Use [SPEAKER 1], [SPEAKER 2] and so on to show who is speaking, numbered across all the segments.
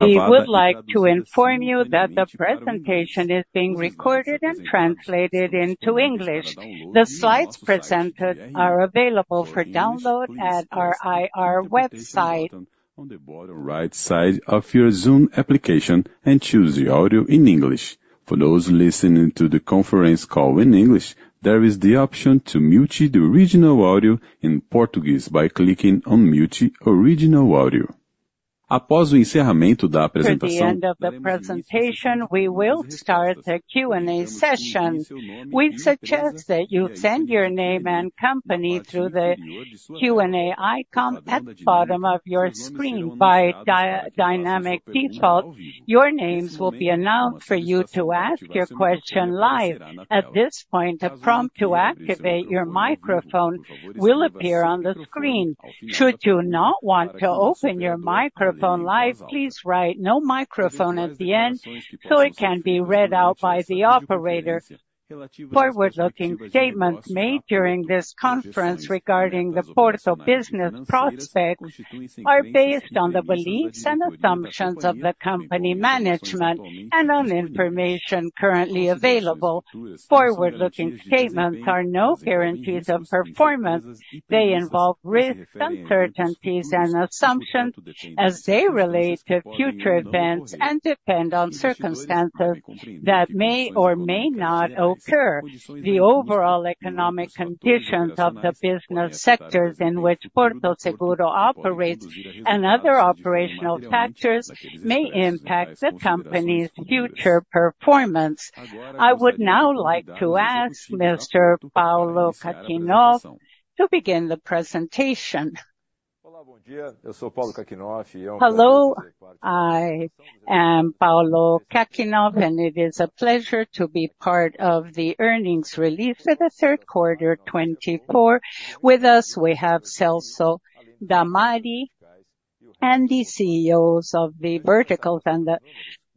[SPEAKER 1] We would like to inform you that the presentation is being recorded and translated into English. The slides presented are available for download at our IR website. On the bottom right side of your Zoom application, choose the audio in English. For those listening to the conference call in English, there is the option to mute the original audio in Portuguese by clicking on "Mute Original Audio." Após o encerramento da apresentação... At the end of the presentation, we will start the Q&A session. We suggest that you send your name and company through the Q&A icon at the bottom of your screen. By dynamic default, your names will be announced for you to ask your question live. At this point, a prompt to activate your microphone will appear on the screen. Should you not want to open your microphone live, please write "No microphone" at the end so it can be read out by the operator. Forward-looking statements made during this conference regarding the Porto Business Prospects are based on the beliefs and assumptions of the company management and on information currently available. Forward-looking statements are no guarantees of performance. They involve risks, uncertainties, and assumptions as they relate to future events and depend on circumstances that may or may not occur. The overall economic conditions of the business sectors in which Porto Seguro operates and other operational factors may impact the company's future performance. I would now like to ask Mr. Paulo Kakinoff to begin the presentation.
[SPEAKER 2] Olá, bom dia. Eu sou Paulo Kakinoff. Hello, I am Paulo Kakinoff, and it is a pleasure to be part of the earnings release for the third quarter 2024. With us, we have Celso Damadi and the CEOs of the verticals and the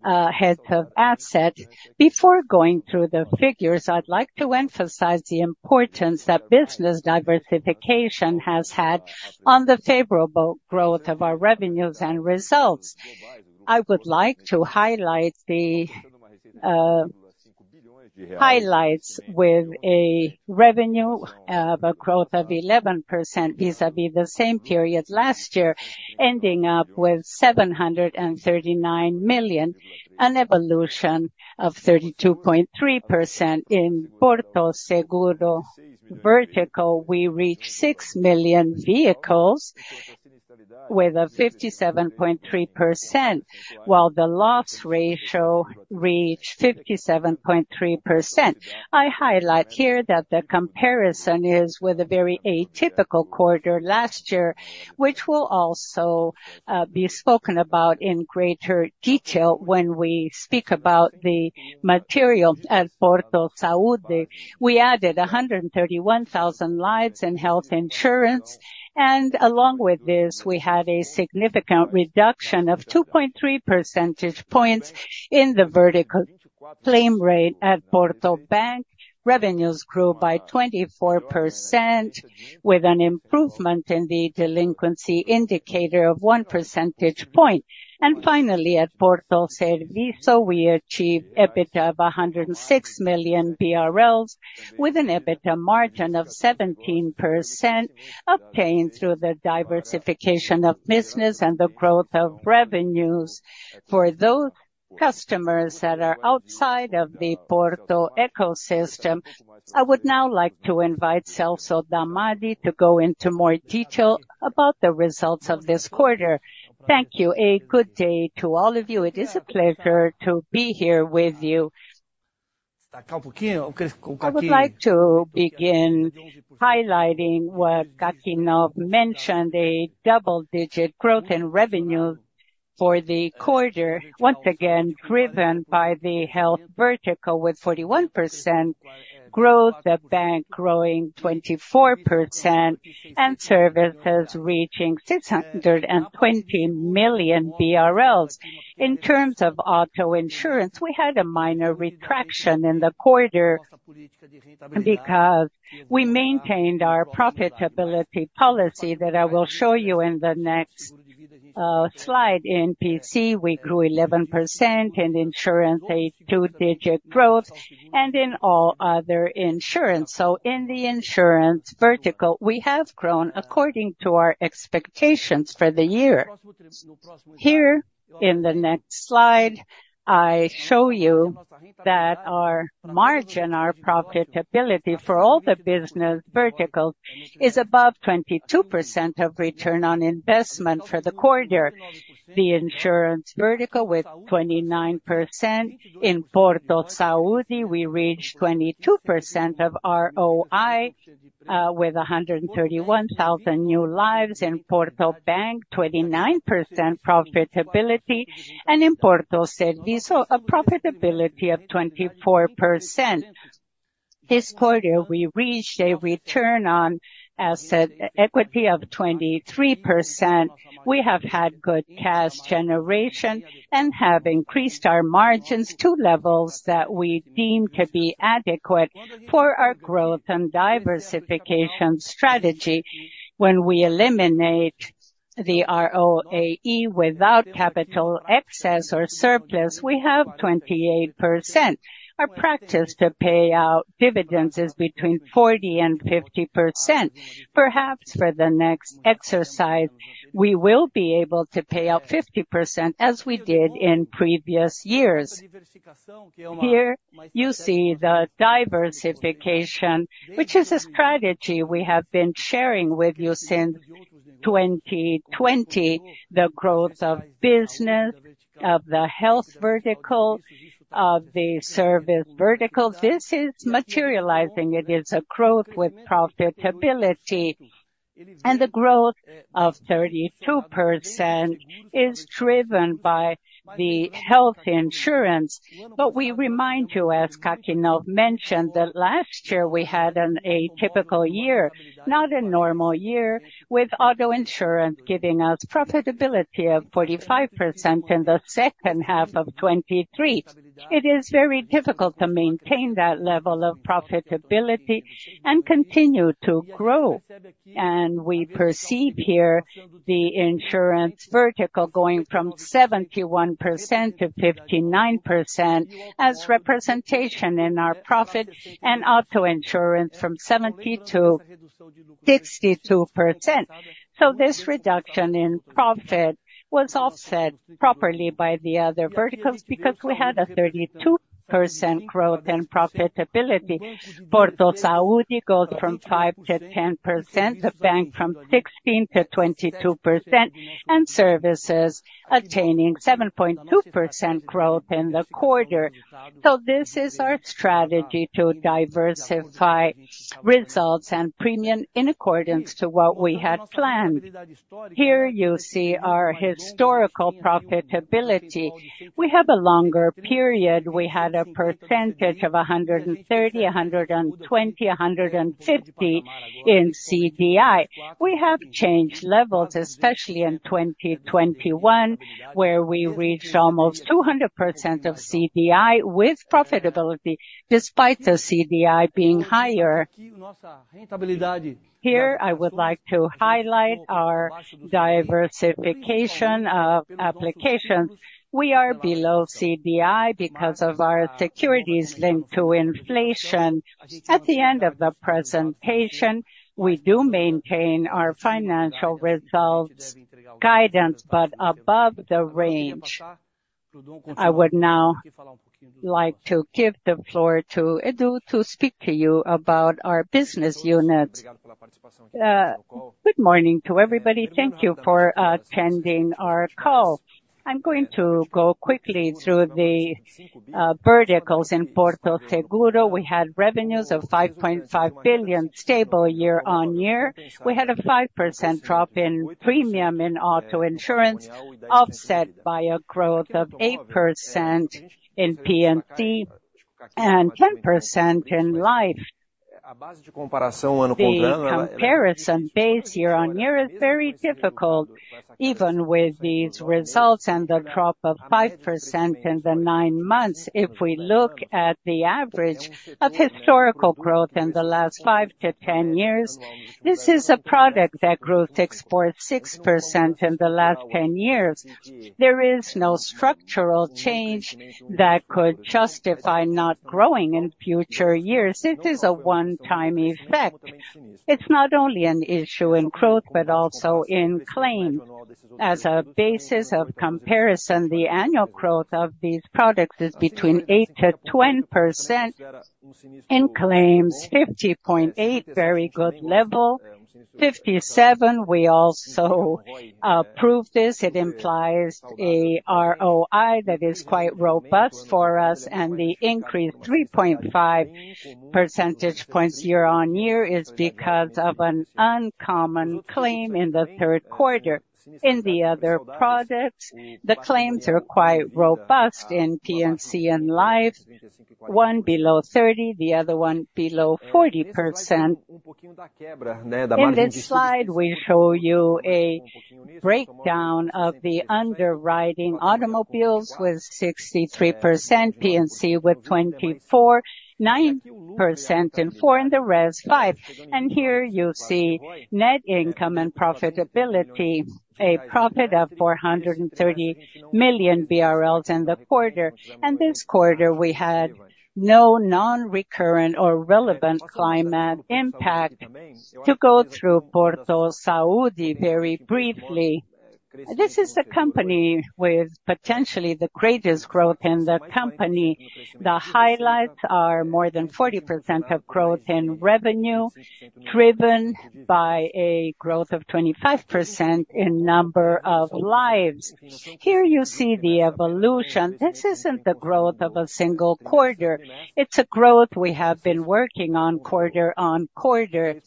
[SPEAKER 2] heads of assets. Before going through the figures, I'd like to emphasize the importance that business diversification has had on the favorable growth of our revenues and results. I would like to highlight the highlights with a revenue of a growth of 11% vis-à-vis the same period last year, ending up with 739 million, an evolution of 32.3%. In Porto Seguro vertical, we reached 6 million vehicles with a 57.3%, while the loss ratio reached 57.3%. I highlight here that the comparison is with a very atypical quarter last year, which will also be spoken about in greater detail when we speak about the material at Porto Saúde. We added 131,000 lives in health insurance, and along with this, we had a significant reduction of 2.3 percentage points in the vertical claim rate. At Porto Bank. Revenues grew by 24%, with an improvement in the delinquency indicator of 1 percentage point. And finally, at Porto Serviço, we achieved EBITDA of 106 million BRL, with an EBITDA margin of 17%, obtained through the diversification of business and the growth of revenues. For those customers that are outside of the Porto ecosystem, I would now like to invite Celso Damadi to go into more detail about the results of this quarter. Thank you. A good day to all of you. It is a pleasure to be here with you. I would like to begin highlighting what Kakinoff mentioned: a double-digit growth in revenues for the quarter, once again driven by the health vertical with 41% growth, the bank growing 24%, and services reaching 620 million BRL. In terms of auto insurance, we had a minor contraction in the quarter because we maintained our profitability policy that I will show you in the next slide. In P&C, we grew 11%, in insurance a two-digit growth, and in all other insurance, so in the insurance vertical, we have grown according to our expectations for the year. Here, in the next slide, I show you that our margin, our profitability for all the business verticals, is above 22% of return on investment for the quarter. The insurance vertical, with 29%, in Porto Saúde, we reached 22% ROI, with 131,000 new lives. In Porto Bank, 29% profitability. And in Porto Serviço, a profitability of 24%. This quarter, we reached a return on average equity of 23%. We have had good cash generation and have increased our margins to levels that we deem to be adequate for our growth and diversification strategy. When we eliminate the ROAE without capital excess or surplus, we have 28%. Our practice to pay out dividends is between 40% and 50%. Perhaps for the next exercise, we will be able to pay out 50% as we did in previous years. Here, you see the diversification, which is a strategy we have been sharing with you since 2020. The growth of business, of the health vertical, of the service vertical, this is materializing. It is a growth with profitability, and the growth of 32% is driven by the health insurance. But we remind you, as Kakinoff mentioned, that last year we had an atypical year, not a normal year, with auto insurance giving us profitability of 45% in the second half of 2023. It is very difficult to maintain that level of profitability and continue to grow. And we perceive here the insurance vertical going from 71% to 59% as representation in our profit and auto insurance from 70% to 62%. So this reduction in profit was offset properly by the other verticals because we had a 32% growth in profitability. Porto Saúde goes from 5% to 10%, the bank from 16% to 22%, and services attaining 7.2% growth in the quarter. So this is our strategy to diversify results and premium in accordance to what we had planned. Here you see our historical profitability. We have a longer period. We had a percentage of 130%, 120%, 150% in CDI. We have changed levels, especially in 2021, where we reached almost 200% of CDI with profitability, despite the CDI being higher. Here, I would like to highlight our diversification of applications. We are below CDI because of our securities linked to inflation. At the end of the presentation, we do maintain our financial results guidance, but above the range. I would now like to give the floor to Rivaldo Leite to speak to you about our business unit. Good morning to everybody. Thank you for attending our call. I'm going to go quickly through the verticals. In Porto Seguro, we had revenues of 5.5 billion, stable year on year. We had a 5% drop in premium in auto insurance, offset by a growth of 8% in P&C and 10% in life. The comparison base year on year is very difficult, even with these results and the drop of 5% in the nine months. If we look at the average of historical growth in the last 5-10 years, this is a product that grew 6% in the last 10 years. There is no structural change that could justify not growing in future years. This is a one-time effect. It's not only an issue in growth, but also in claims. As a basis of comparison, the annual growth of these products is between 8%-20% in claims, 50.8%, very good level, 57%. We also proved this. It implies a ROI that is quite robust for us, and the increase of 3.5% year on year is because of an uncommon claim in the third quarter. In the other products, the claims are quite robust in P&C and life, one below 30%, the other one below 40%. In this slide, we show you a breakdown of the underwriting automobiles with 63%, P&C with 24%, 9% in four, and the rest five, and here you see net income and profitability, a profit of 430 million BRL in the quarter, and this quarter, we had no non-recurrent or relevant climate impact. To go through Porto Saúde very briefly, this is a company with potentially the greatest growth in the company. The highlights are more than 40% of growth in revenue, driven by a growth of 25% in number of lives. Here you see the evolution. This isn't the growth of a single quarter. It's a growth we have been working on quarter on quarter.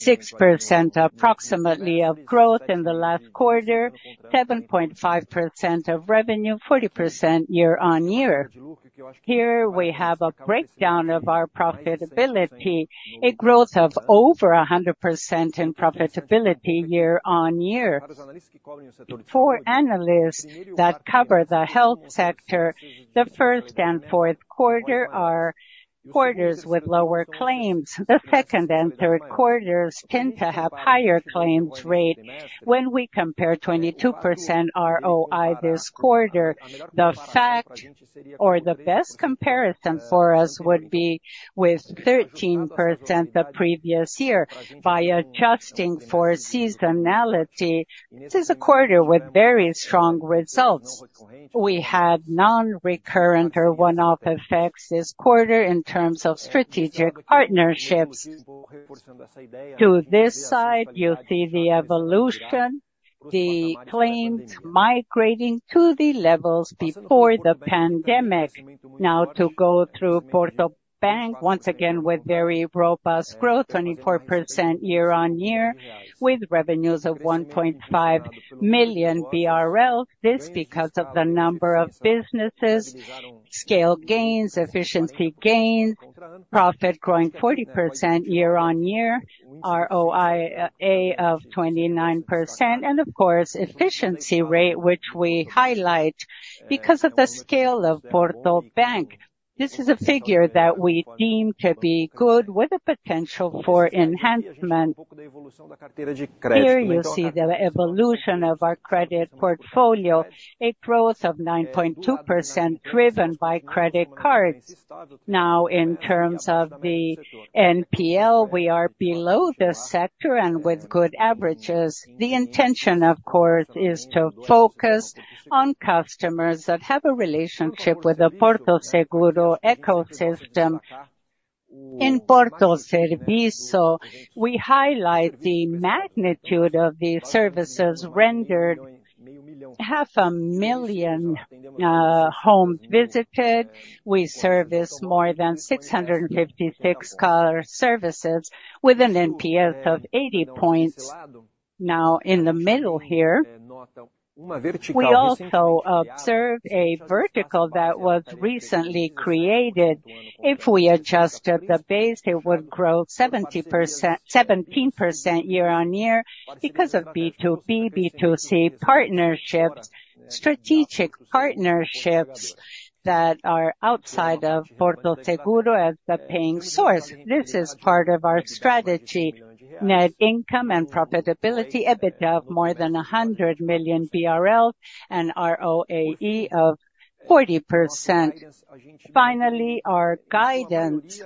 [SPEAKER 2] 6% approximately of growth in the last quarter, 7.5% of revenue, 40% year on year. Here we have a breakdown of our profitability, a growth of over 100% in profitability year on year. For analysts that cover the health sector, the first and fourth quarters are quarters with lower claims. The second and third quarters tend to have a higher claims rate. When we compare 22% ROI this quarter, the fact, or the best comparison for us, would be with 13% the previous year. By adjusting for seasonality, this is a quarter with very strong results. We had non-recurrent or one-off effects this quarter in terms of strategic partnerships. To this side, you see the evolution, the claims migrating to the levels before the pandemic. Now to go through Porto Bank, once again with very robust growth, 24% year on year, with revenues of 1.5 billion BRL. This is because of the number of businesses, scale gains, efficiency gains, profit growing 40% year on year, ROAE of 29%, and of course, efficiency rate, which we highlight because of the scale of Porto Bank. This is a figure that we deem to be good, with a potential for enhancement. Here you see the evolution of our credit portfolio, a growth of 9.2% driven by credit cards. Now, in terms of the NPL, we are below the sector and with good averages. The intention, of course, is to focus on customers that have a relationship with the Porto Seguro ecosystem. In Porto Seguro, we highlight the magnitude of the services rendered. 500,000 homes visited. We service more than 656 car services with an NPS of 80 points. Now, in the middle here, we also observe a vertical that was recently created. If we adjusted the base, it would grow 17% year on year because of B2B, B2C partnerships, strategic partnerships that are outside of Porto Seguro as the paying source. This is part of our strategy, net income and profitability, EBITDA of more than 100 million BRL and ROAE of 40%. Finally, our guidance.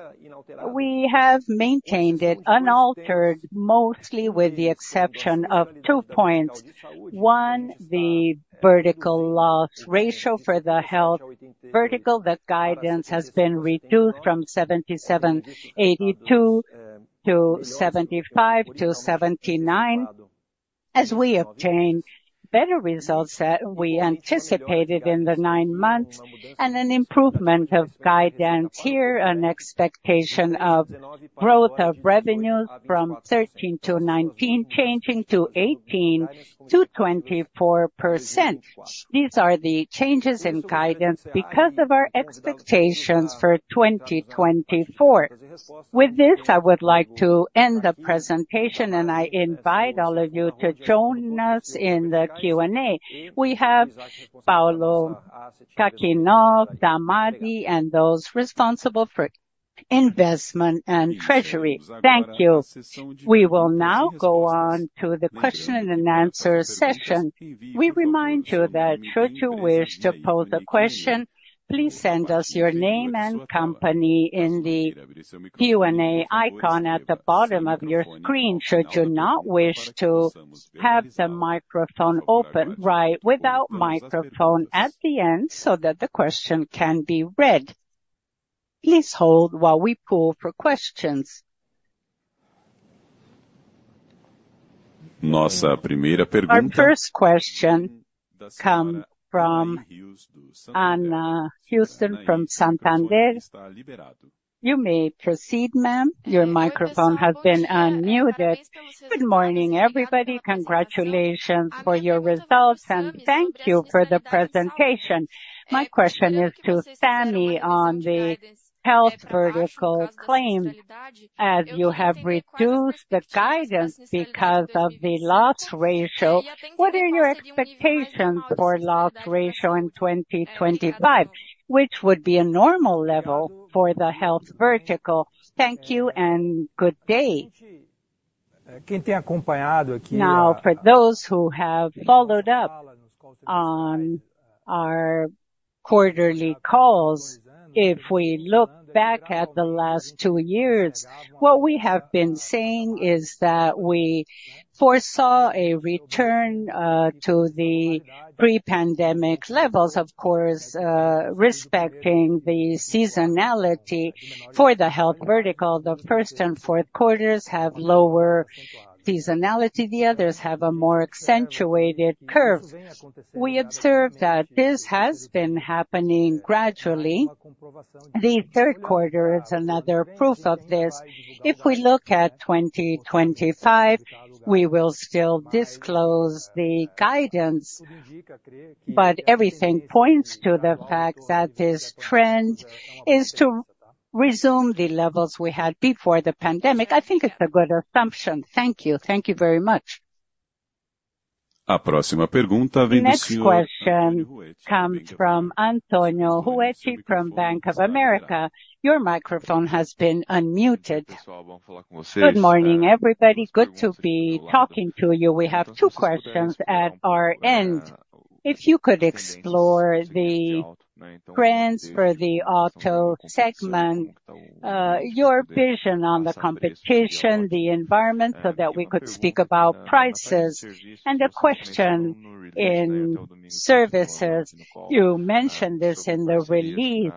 [SPEAKER 2] We have maintained it unaltered, mostly with the exception of two points. One, the vertical loss ratio for the health vertical. The guidance has been reduced from 77% to 82% to 75% to 79%, as we obtained better results that we anticipated in the nine months and an improvement of guidance here, an expectation of growth of revenues from 13% to 19%, changing to 18% to 24%. These are the changes in guidance because of our expectations for 2024. With this, I would like to end the presentation, and I invite all of you to join us in the Q&A. We have Paulo Kakinoff, Damadi, and those responsible for investment and treasury. Thank you. We will now go on to the question and answer session. We remind you that should you wish to pose a question, please send us your name and company in the Q&A icon at the bottom of your screen. Should you not wish to have the microphone open, write without microphone at the end so that the question can be read. Please hold while we pull for questions. Nossa primeira pergunta. Our first question comes from Ana Huszton from Santander. You may proceed, ma'am. Your microphone has been unmuted. Good morning, everybody. Congratulations for your results, and thank you for the presentation. My question is to Sami on the health vertical claims. As you have reduced the guidance because of the loss ratio, what are your expectations for loss ratio in 2025, which would be a normal level for the health vertical? Thank you and good day. Quem tem acompanhado aqui. Now, for those who have followed up on our quarterly calls, if we look back at the last two years, what we have been saying is that we foresaw a return to the pre-pandemic levels, of course, respecting the seasonality for the health vertical. The first and fourth quarters have lower seasonality. The others have a more accentuated curve. We observe that this has been happening gradually. The third quarter is another proof of this. If we look at 2025, we will still disclose the guidance, but everything points to the fact that this trend is to resume the levels we had before the pandemic. I think it's a good assumption. Thank you. Thank you very much. A próxima pergunta vem de Si. Next question comes from Antonio Ruette from Bank of America. Your microphone has been unmuted. Good morning, everybody. Good to be talking to you. We have two questions at our end. If you could explore the trends for the auto segment, your vision on the competition, the environment, so that we could speak about prices, and the question in services. You mentioned this in the release,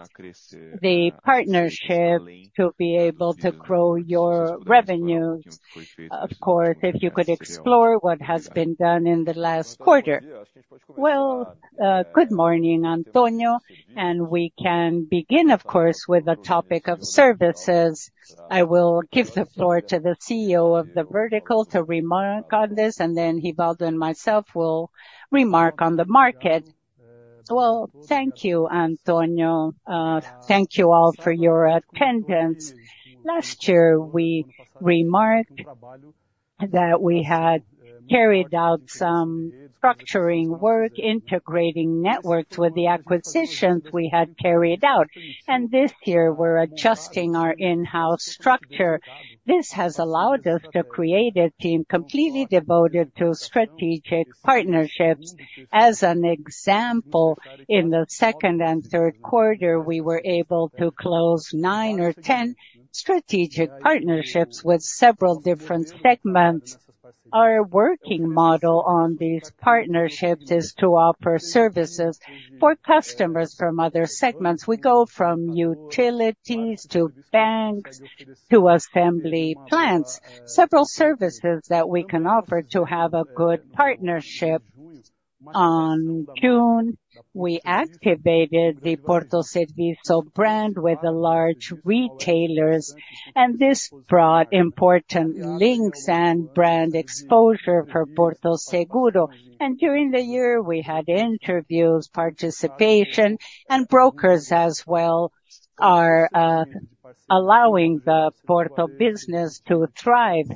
[SPEAKER 2] the partnership to be able to grow your revenues. Of course, if you could explore what has been done in the last quarter. Good morning, Antonio, and we can begin, of course, with the topic of services. I will give the floor to the CEO of the vertical to remark on this, and then Rivaldo and myself will remark on the market. Thank you, Antonio. Thank you all for your attendance. Last year, we remarked that we had carried out some structuring work, integrating networks with the acquisitions we had carried out, and this year we're adjusting our in-house structure. This has allowed us to create a team completely devoted to strategic partnerships. As an example, in the second and third quarter, we were able to close nine or ten strategic partnerships with several different segments. Our working model on these partnerships is to offer services for customers from other segments. We go from utilities to banks to assembly plants, several services that we can offer to have a good partnership. In June, we activated the Porto Seguro brand with large retailers, and this brought important links and brand exposure for Porto Seguro, and during the year, we had interviews, participation, and brokers as well are allowing the Porto business to thrive,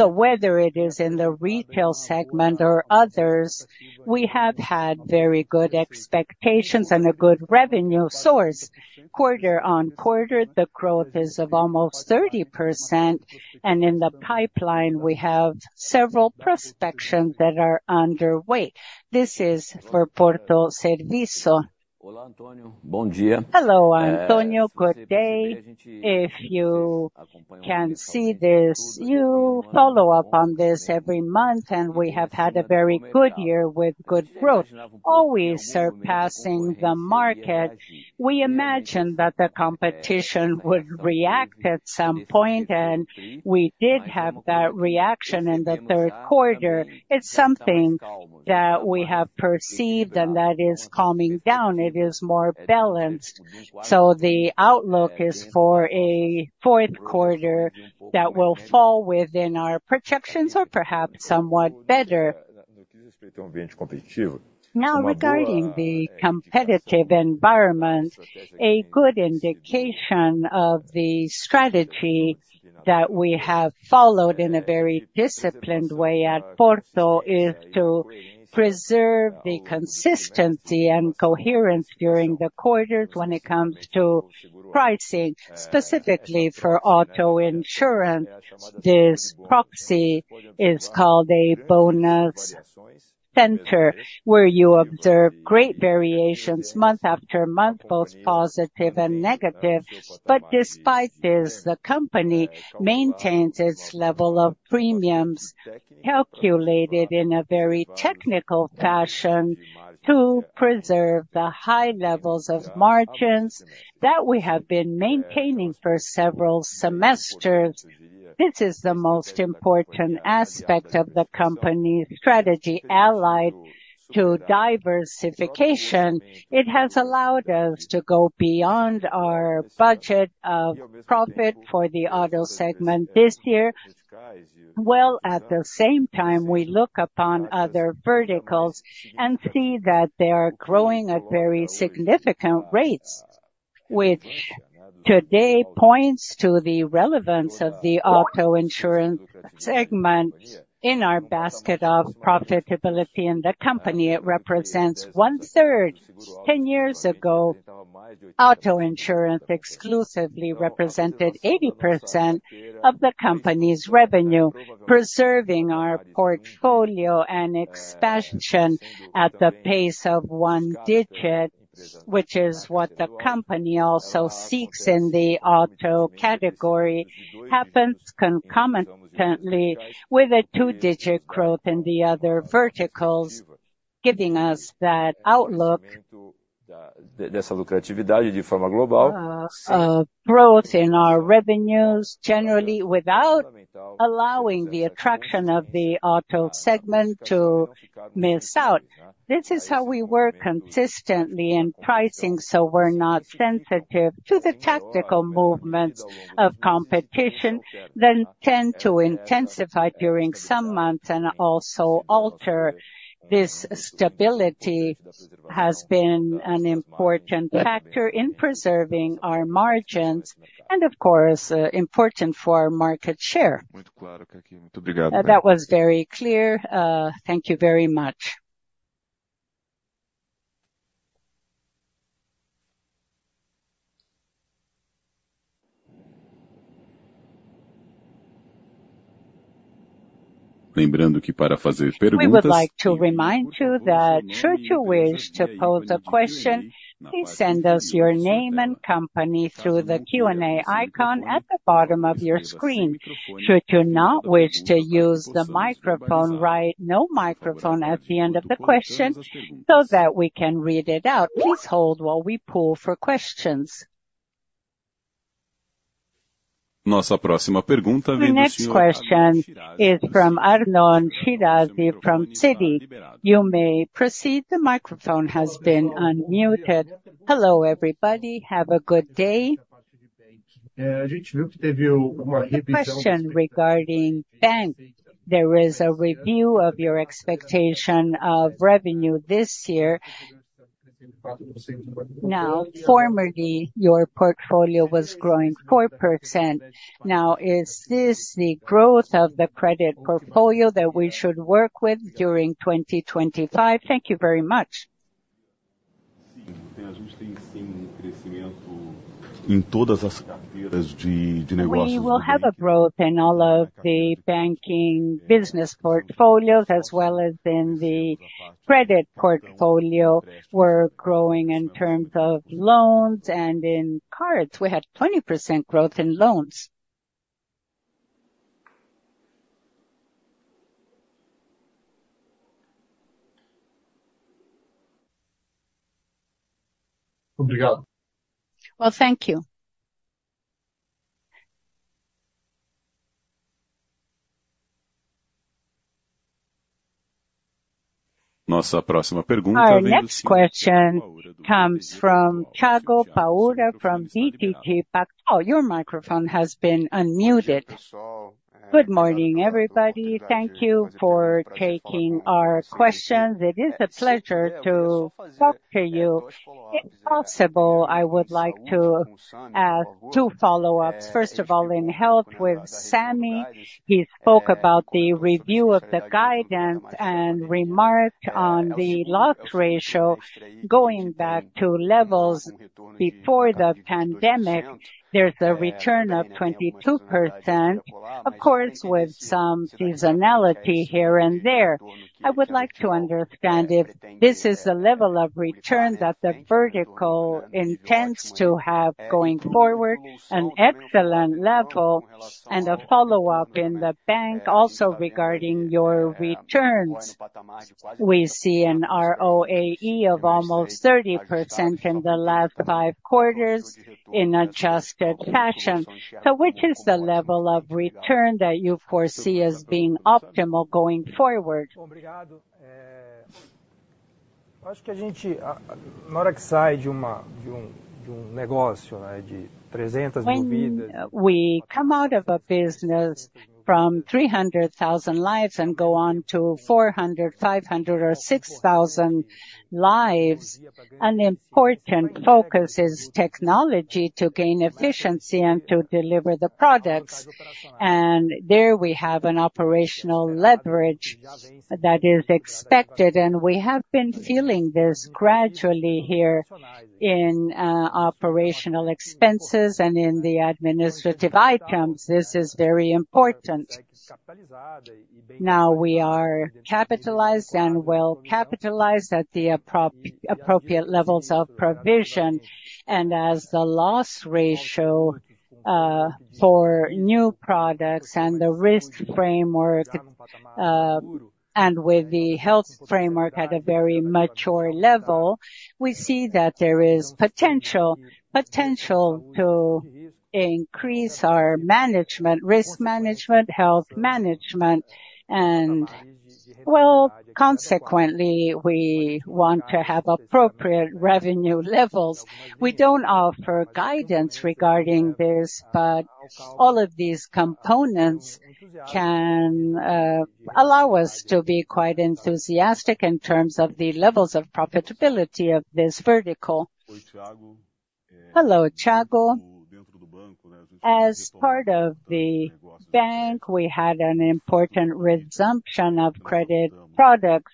[SPEAKER 2] whether it is in the retail segment or others, we have had very good expectations and a good revenue source. Quarter on quarter, the growth is of almost 30%, and in the pipeline, we have several prospects that are underway. This is for Porto Seguro. Olá, Antonio. Hello, Antonio. Good day. If you can see this, you follow up on this every month, and we have had a very good year with good growth, always surpassing the market. We imagined that the competition would react at some point, and we did have that reaction in the third quarter. It's something that we have perceived, and that is calming down. It is more balanced. So the outlook is for a fourth quarter that will fall within our projections or perhaps somewhat better. Não é? Now, regarding the competitive environment, a good indication of the strategy that we have followed in a very disciplined way at Porto is to preserve the consistency and coherence during the quarters when it comes to pricing, specifically for auto insurance. This proxy is called a bonus center, where you observe great variations month after month, both positive and negative. But despite this, the company maintains its level of premiums calculated in a very technical fashion to preserve the high levels of margins that we have been maintaining for several semesters. This is the most important aspect of the company's strategy, allied to diversification. It has allowed us to go beyond our budget of profit for the auto segment this year. At the same time, we look upon other verticals and see that they are growing at very significant rates, which today points to the relevance of the auto insurance segment in our basket of profitability in the company. It represents one-third. Ten years ago, auto insurance exclusively represented 80% of the company's revenue, preserving our portfolio and expansion at the pace of one digit, which is what the company also seeks in the auto category. It happens concomitantly with a two-digit growth in the other verticals, giving us that outlook. Dessa lucratividade de forma global. Growth in our revenues, generally without allowing the attraction of the auto segment to miss out. This is how we work consistently in pricing, so we're not sensitive to the tactical movements of competition that tend to intensify during some months and also alter this stability. It has been an important factor in preserving our margins and, of course, important for our market share. Muito obrigado. That was very clear. Thank you very much. Lembrando que para fazer perguntas. I would like to remind you that should you wish to pose a question, please send us your name and company through the Q&A icon at the bottom of your screen. Should you not wish to use the microphone, write no microphone at the end of the question so that we can read it out. Please hold while we poll for questions. Nossa próxima pergunta vem de Citi. The next question is from Arnon Shirazi from Citi. You may proceed. The microphone has been unmuted. Hello everybody. Have a good day. A gente viu que teve uma revisão. Question regarding bank. There is a review of your expectation of revenue this year. Now, formerly, your portfolio was growing 4%. Now, is this the growth of the credit portfolio that we should work with during 2025? Thank you very much. A gente tem sim crescimento em todas as carteiras de negócio. We will have a growth in all of the banking business portfolios, as well as in the credit portfolio. We're growing in terms of loans and in cards. We had 20% growth in loans. Muito obrigado. Well, thank you. Nossa próxima pergunta vem de Thiago. And the next question comes from Thiago Paura from BTG Pactual. Your microphone has been unmuted. Good morning, everybody. Thank you for taking our questions. It is a pleasure to talk to you. If possible, I would like to ask two follow-ups. First of all, in health with Sami, he spoke about the review of the guidance and remarked on the loss ratio going back to levels before the pandemic. There's a return of 22%, of course, with some seasonality here and there. I would like to understand if this is the level of return that the vertical intends to have going forward, an excellent level, and a follow-up in the bank also regarding your returns. We see an ROAE of almost 30% in the last five quarters in an adjusted fashion. So which is the level of return that you foresee as being optimal going forward? Acho que a gente, na hora que sai de negócio de 300 mil vidas. We come out of a business from 300,000 lives and go on to 400, 500, or 6,000 lives. An important focus is technology to gain efficiency and to deliver the products. And there we have an operational leverage that is expected. And we have been feeling this gradually here in operational expenses and in the administrative items. This is very important. Now we are capitalized and well capitalized at the appropriate levels of provision. And as the loss ratio for new products and the risk framework and with the health framework at a very mature level, we see that there is potential to increase our management, risk management, health management. And well, consequently, we want to have appropriate revenue levels. We don't offer guidance regarding this, but all of these components can allow us to be quite enthusiastic in terms of the levels of profitability of this vertical. Oi, Tiago. Hello, Tiago. As part of the bank, we had an important resumption of credit products.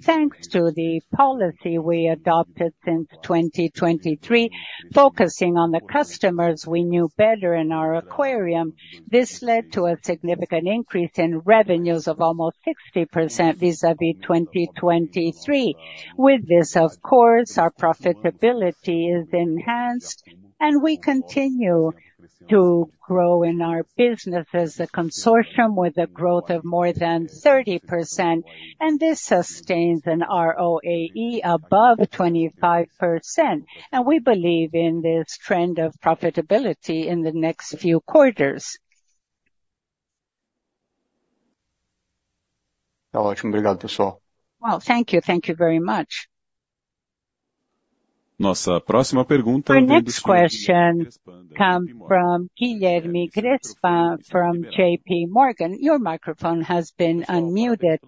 [SPEAKER 2] Thanks to the policy we adopted since 2023, focusing on the customers we knew better in our aquarium, this led to a significant increase in revenues of almost 60% vis-à-vis 2023. With this, of course, our profitability is enhanced, and we continue to grow in our business as a consortium with a growth of more than 30%. This sustains an ROAE above 25%. We believe in this trend of profitability in the next few quarters. Tá ótimo, obrigado pessoal. Thank you, thank you very much. Nossa próxima pergunta vem de Si. This question comes from Guilherme Grespan from JP Morgan. Your microphone has been unmuted.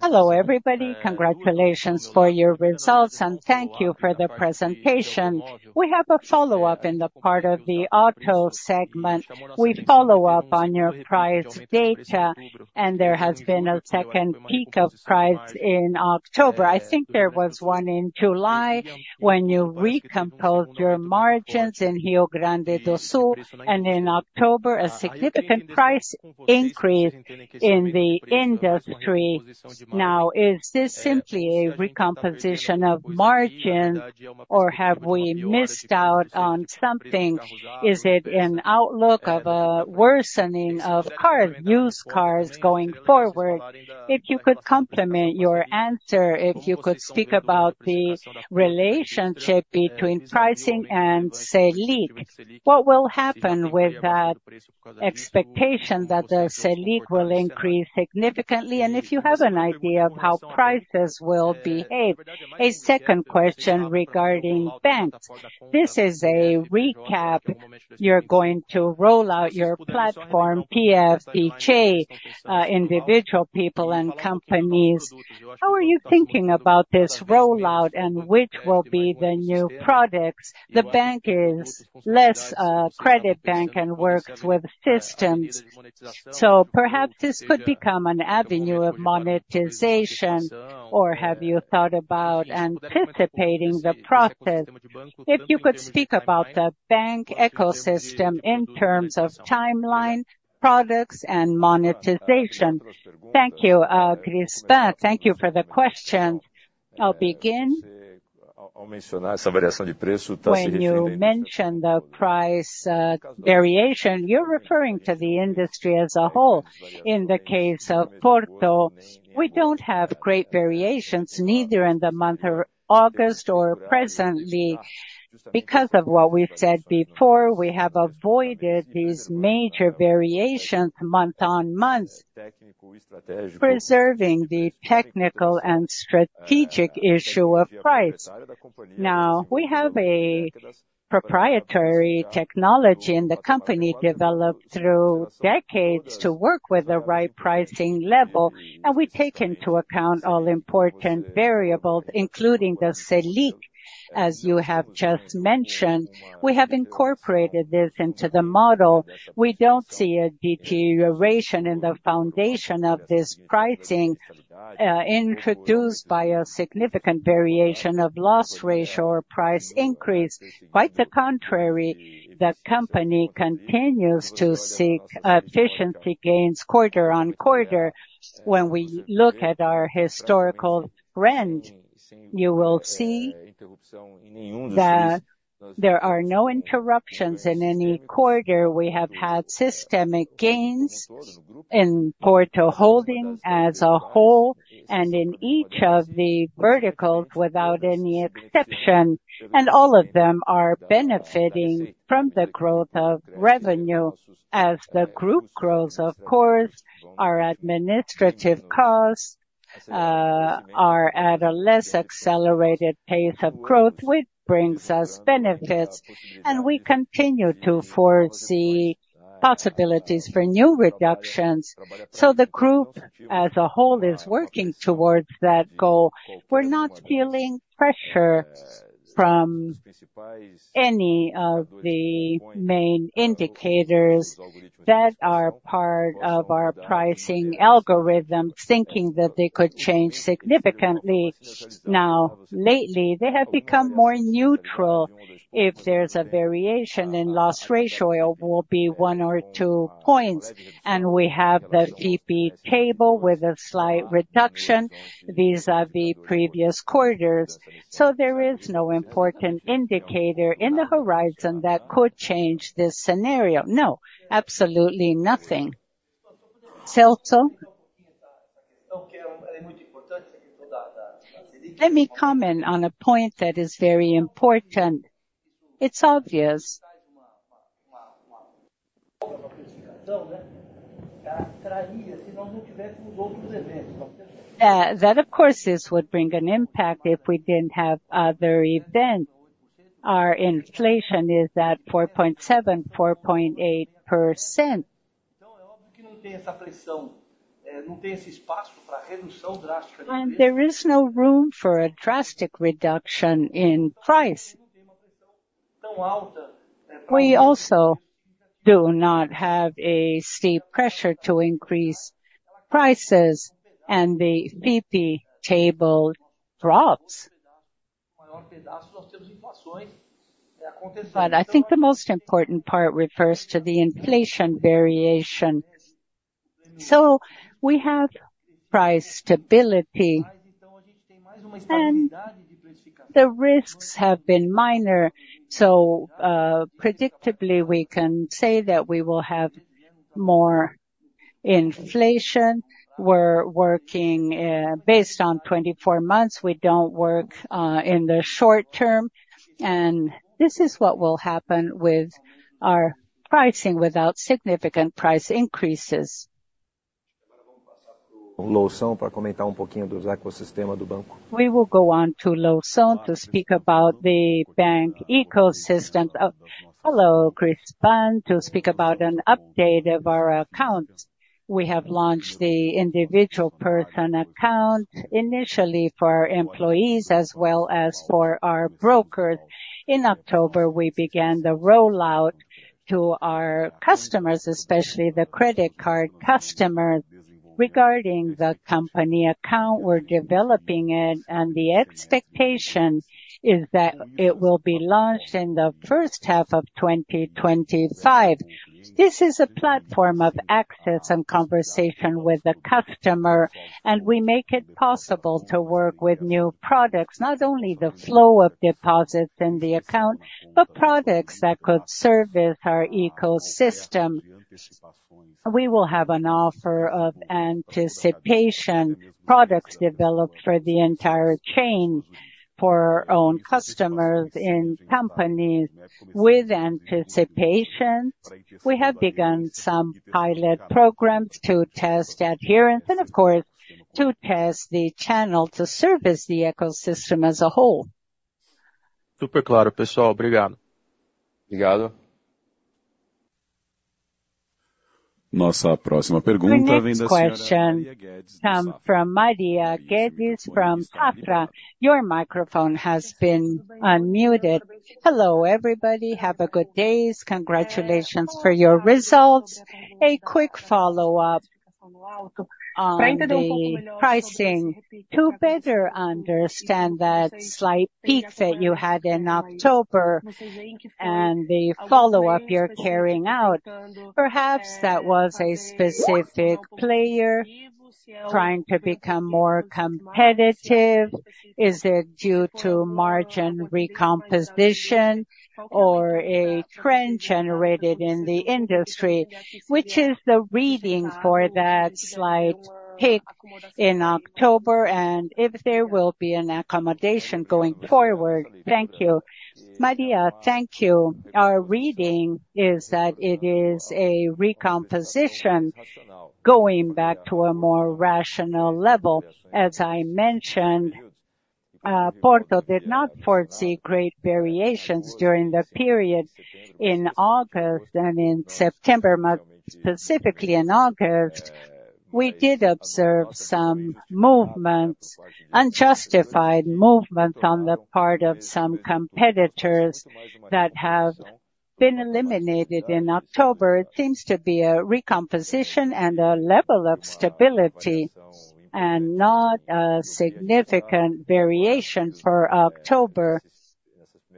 [SPEAKER 2] Hello everybody, congratulations for your results, and thank you for the presentation. We have a follow-up in the part of the auto segment. We follow up on your price data, and there has been a second peak of price in October. I think there was one in July when you recomposed your margins in Rio Grande do Sul, and in October, a significant price increase in the industry. Now, is this simply a recomposition of margins, or have we missed out on something? Is it an outlook of a worsening of cars, used cars going forward? If you could complement your answer, if you could speak about the relationship between pricing and SELIC, what will happen with that expectation that the SELIC will increase significantly? And if you have an idea of how prices will behave? A second question regarding banks. This is a recap. You are going to roll out your platform, PF and PJ, individual people and companies. How are you thinking about this rollout and which will be the new products? The bank is less a credit bank and works with systems. So perhaps this could become an avenue of monetization, or have you thought about anticipating the process? If you could speak about the bank ecosystem in terms of timeline, products, and monetization? Thank you, Grespan. Thank you for the questions. I'll begin. Ao mencionar essa variação de preço, está se resumindo. When you mention the price variation, you're referring to the industry as a whole. In the case of Porto, we don't have great variations, neither in the month of August nor presently. Because of what we've said before, we have avoided these major variations month on month, preserving the technical and strategic issue of price. Now, we have a proprietary technology in the company developed through decades to work with the right pricing level, and we take into account all important variables, including the SELIC, as you have just mentioned. We have incorporated this into the model. We don't see a deterioration in the foundation of this pricing, introduced by a significant variation of loss ratio or price increase. Quite the contrary, the company continues to seek efficiency gains quarter on quarter. When we look at our historical trend, you will see that there are no interruptions in any quarter. We have had systemic gains in Porto Holding as a whole and in each of the verticals without any exception, and all of them are benefiting from the growth of revenue as the group grows, of course. Our administrative costs are at a less accelerated pace of growth, which brings us benefits, and we continue to foresee possibilities for new reductions, so the group as a whole is working towards that goal. We're not feeling pressure from any of the main indicators that are part of our pricing algorithm, thinking that they could change significantly. Now, lately, they have become more neutral. If there's a variation in loss ratio, it will be one or two points. We have the Fipe table with a slight reduction vis-à-vis previous quarters. There is no important indicator in the horizon that could change this scenario. No, absolutely nothing. Celso? Let me comment on a point that is very important. It's obvious. That, of course, is what brings an impact if we didn't have other events. Our inflation is at 4.7%, 4.8%. Então, é óbvio que não tem essa pressão, não tem esse espaço para a redução drástica de preços. There is no room for a drastic reduction in price. We also do not have a steep pressure to increase prices, and the Fipe table drops. Mas I think the most important part refers to the inflation variation. We have price stability. Então, a gente tem mais uma estabilidade de precificação. The risks have been minor. So, predictably, we can say that we will have more inflation. We're working based on 24 months. We don't work in the short term. And this is what will happen with our pricing without significant price increases. Vamos passar para o Loução para comentar pouquinho do ecossistema do banco. We will go on to Loução to speak about the bank ecosystem. Hello, Grespan, to speak about an update of our accounts. We have launched the individual person account initially for our employees as well as for our brokers. In October, we began the rollout to our customers, especially the credit card customers. Regarding the company account, we're developing it, and the expectation is that it will be launched in the first half of 2025. This is a platform of access and conversation with the customer, and we make it possible to work with new products, not only the flow of deposits in the account, but products that could service our ecosystem. We will have an offer of anticipation products developed for the entire chain for our own customers in companies with anticipation. We have begun some pilot programs to test adherence and, of course, to test the channel to service the ecosystem as a whole. Super claro, pessoal, obrigado. Obrigado. Nossa próxima pergunta vem da Safra. This question comes from Maria Guedes from Safra. Your microphone has been unmuted. Hello, everybody. Have a good day. Congratulations for your results. A quick follow-up on pricing to better understand that slight peak that you had in October and the follow-up you're carrying out. Perhaps that was a specific player trying to become more competitive. Is it due to margin recomposition or a trend generated in the industry? Which is the reading for that slight peak in October and if there will be an accommodation going forward? Thank you. Maria, thank you. Our reading is that it is a recomposition going back to a more rational level. As I mentioned, Porto did not foresee great variations during the period in August and in September, but specifically in August, we did observe some movements, unjustified movements on the part of some competitors that have been eliminated in October. It seems to be a recomposition and a level of stability and not a significant variation for October.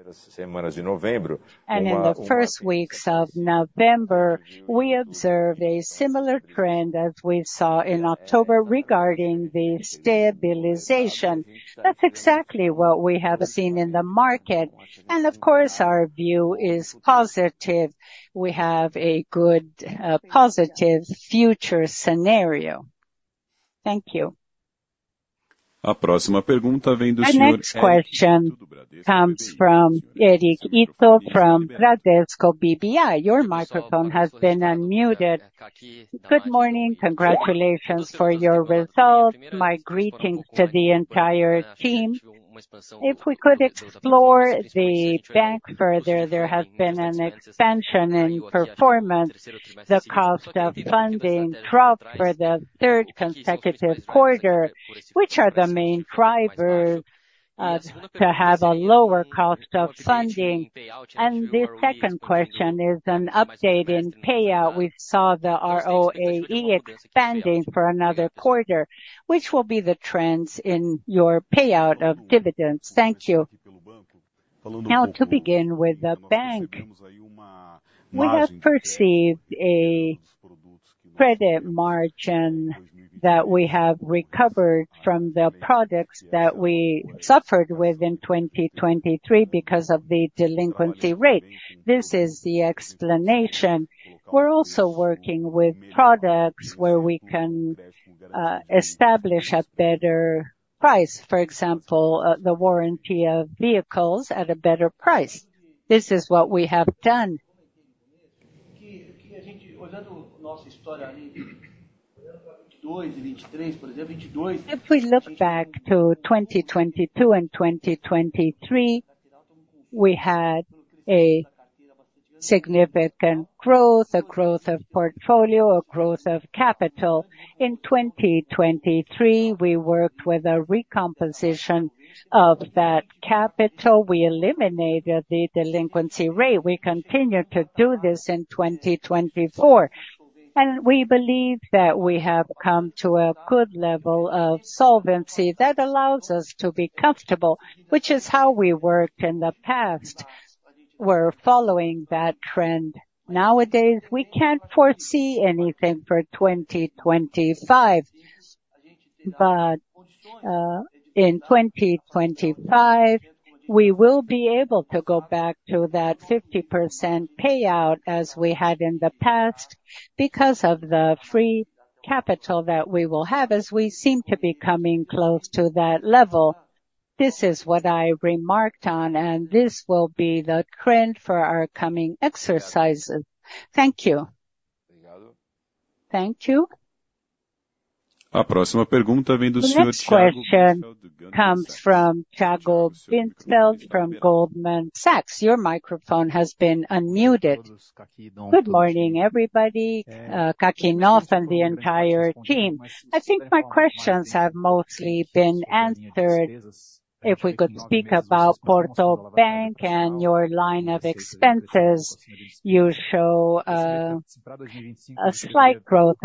[SPEAKER 2] Essas semanas de novembro. And in the first weeks of November, we observed a similar trend as we saw in October regarding the stabilization. That's exactly what we have seen in the market. And of course, our view is positive. We have a good, positive future scenario. Thank you. A próxima pergunta vem do Sr. Eric, and this question comes from Eric Ito from Bradesco BBI. Your microphone has been unmuted. Good morning. Congratulations for your results. My greetings to the entire team. If we could explore the bank further, there has been an expansion in performance. The cost of funding dropped for the third consecutive quarter, which are the main drivers to have a lower cost of funding. The second question is an update in payout. We saw the ROAE expanding for another quarter. Which will be the trends in your payout of dividends? Thank you. Now, to begin with the bank, we have perceived a credit margin that we have recovered from the products that we suffered with in 2023 because of the delinquency rate. This is the explanation. We're also working with products where we can establish a better price. For example, the warranty of vehicles at a better price. This is what we have done. Olhando a nossa história ali, por exemplo, 2022. If we look back to 2022 and 2023, we had a significant growth, a growth of portfolio, a growth of capital. In 2023, we worked with a recomposition of that capital. We eliminated the delinquency rate. We continue to do this in 2024, and we believe that we have come to a good level of solvency that allows us to be comfortable, which is how we worked in the past. We're following that trend. Nowadays, we can't foresee anything for 2025. But in 2025, we will be able to go back to that 50% payout as we had in the past because of the free capital that we will have, as we seem to be coming close to that level. This is what I remarked on, and this will be the trend for our coming exercises. Thank you. Obrigado. Thank you. A próxima pergunta vem do Sr. Thiago. Next question comes from Tiago Binsfeld from Goldman Sachs. Your microphone has been unmuted. Good morning, everybody. Kakinoff and the entire team. I think my questions have mostly been answered. If we could speak about Porto Bank and your line of expenses, you show a slight growth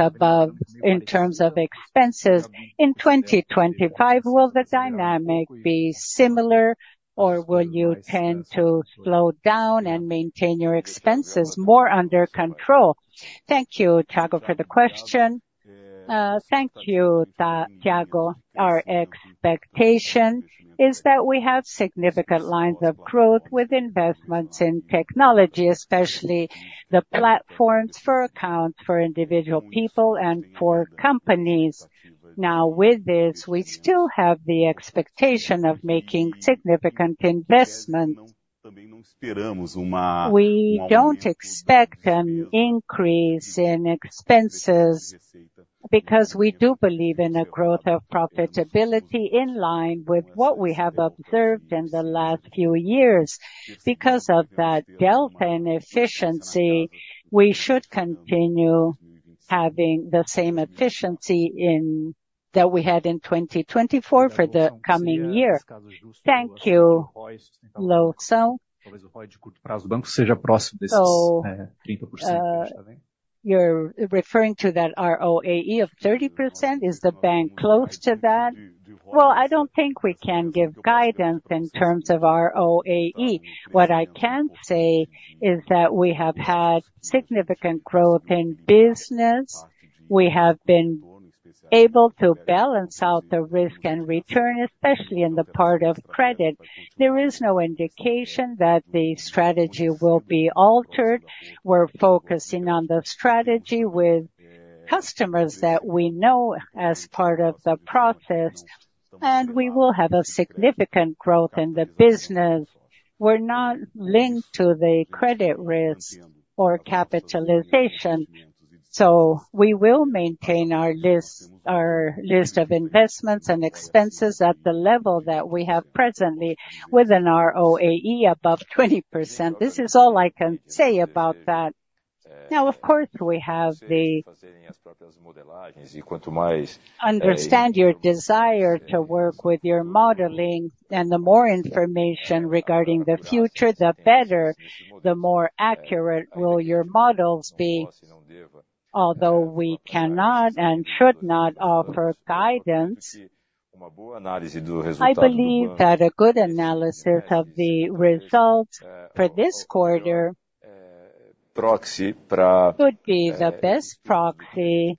[SPEAKER 2] in terms of expenses. In 2025, will the dynamic be similar, or will you tend to slow down and maintain your expenses more under control? Thank you, Thiago, for the question. Thank you, Thiago. Our expectation is that we have significant lines of growth with investments in technology, especially the platforms for accounts for individual people and for companies. Now, with this, we still have the expectation of making significant investments. Também não esperamos uma. We don't expect an increase in expenses because we do believe in a growth of profitability in line with what we have observed in the last few years. Because of that delta in efficiency, we should continue having the same efficiency that we had in 2024 for the coming year. Thank you, Loução. Para que o custo para os bancos seja próximo desses 30%. You're referring to that ROAE of 30%? Is the bank close to that? Well, I don't think we can give guidance in terms of ROAE. What I can say is that we have had significant growth in business. We have been able to balance out the risk and return, especially in the part of credit. There is no indication that the strategy will be altered. We're focusing on the strategy with customers that we know as part of the process, and we will have a significant growth in the business. We're not linked to the credit risk or capitalization. So we will maintain our list of investments and expenses at the level that we have presently with an ROAE above 20%. This is all I can say about that. Now, of course, we have the. Understand your desire to work with your modeling, and the more information regarding the future, the better, the more accurate will your models be. Although we cannot and should not offer guidance, I believe that a good analysis of the results for this quarter would be the best proxy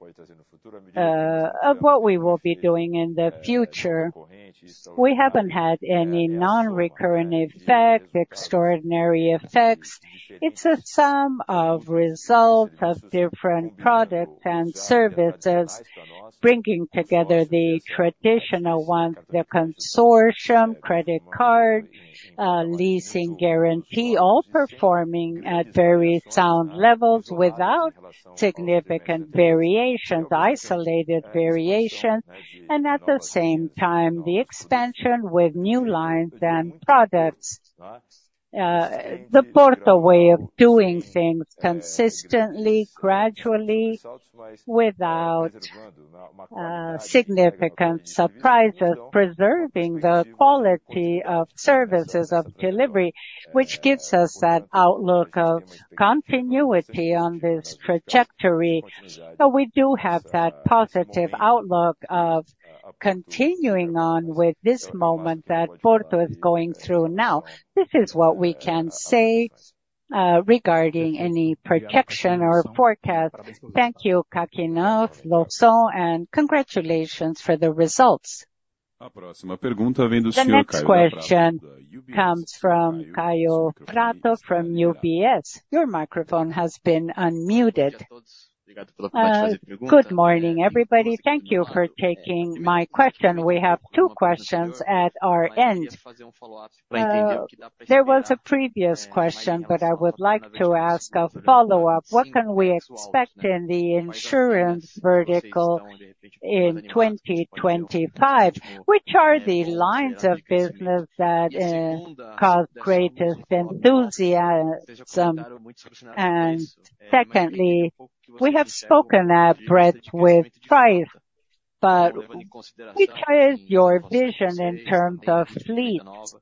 [SPEAKER 2] of what we will be doing in the future. We haven't had any non-recurrent effects, extraordinary effects. It's a sum of results of different products and services bringing together the traditional ones, the consortium, credit card, leasing guarantee, all performing at very sound levels without significant variations, isolated variations, and at the same time, the expansion with new lines and products. The Porto way of doing things consistently, gradually, without significant surprises, preserving the quality of services of delivery, which gives us that outlook of continuity on this trajectory. But we do have that positive outlook of continuing on with this moment that Porto is going through now. This is what we can say, regarding any projection or forecast. Thank you, Kakinoff, Loução, and congratulations for the results. A próxima pergunta vem do Sr. Kaio Prato. And this question comes from Kaio Prato from UBS. Your microphone has been unmuted. Good morning, everybody. Thank you for taking my question. We have two questions at our end. There was a previous question, but I would like to ask a follow-up. What can we expect in the insurance vertical in 2025? Which are the lines of business that cause greatest enthusiasm? And secondly, we have spoken at length with price, but which is your vision in terms of fleets?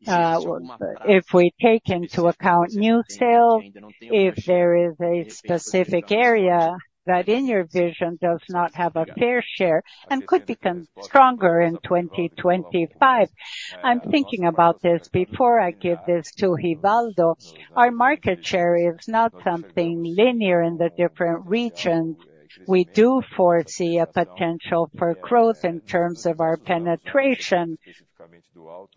[SPEAKER 2] If we take into account new sales, if there is a specific area that in your vision does not have a fair share and could become stronger in 2025. I'm thinking about this before I give this to Rivaldo. Our market share is not something linear in the different regions. We do foresee a potential for growth in terms of our penetration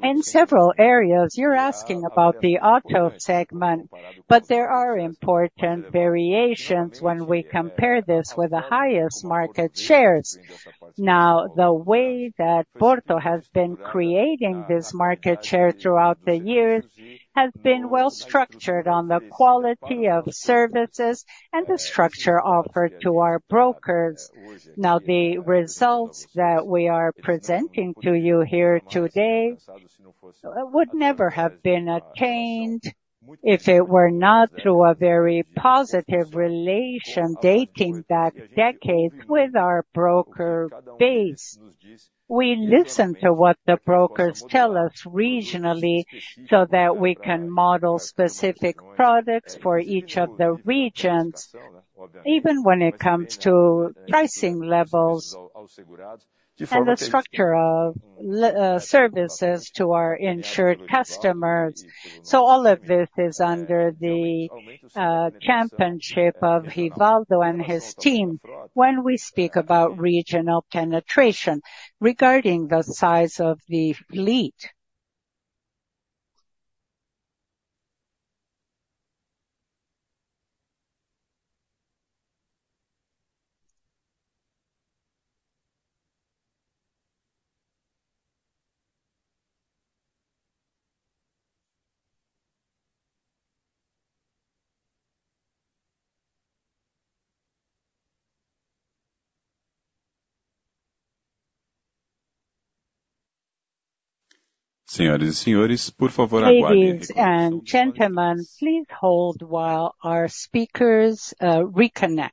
[SPEAKER 2] in several areas. You're asking about the auto segment, but there are important variations when we compare this with the highest market shares. Now, the way that Porto has been creating this market share throughout the years has been well-structured on the quality of services and the structure offered to our brokers. Now, the results that we are presenting to you here today would never have been attained if it were not through a very positive relation dating back decades with our broker base. We listen to what the brokers tell us regionally so that we can model specific products for each of the regions, even when it comes to pricing levels and the structure of services to our insured customers. So all of this is under the championing of Rivaldo and his team when we speak about regional penetration regarding the size of the fleet. Senhoras e senhores, por favor, aguardem. Ladies and gentlemen, please hold while our speakers reconnect.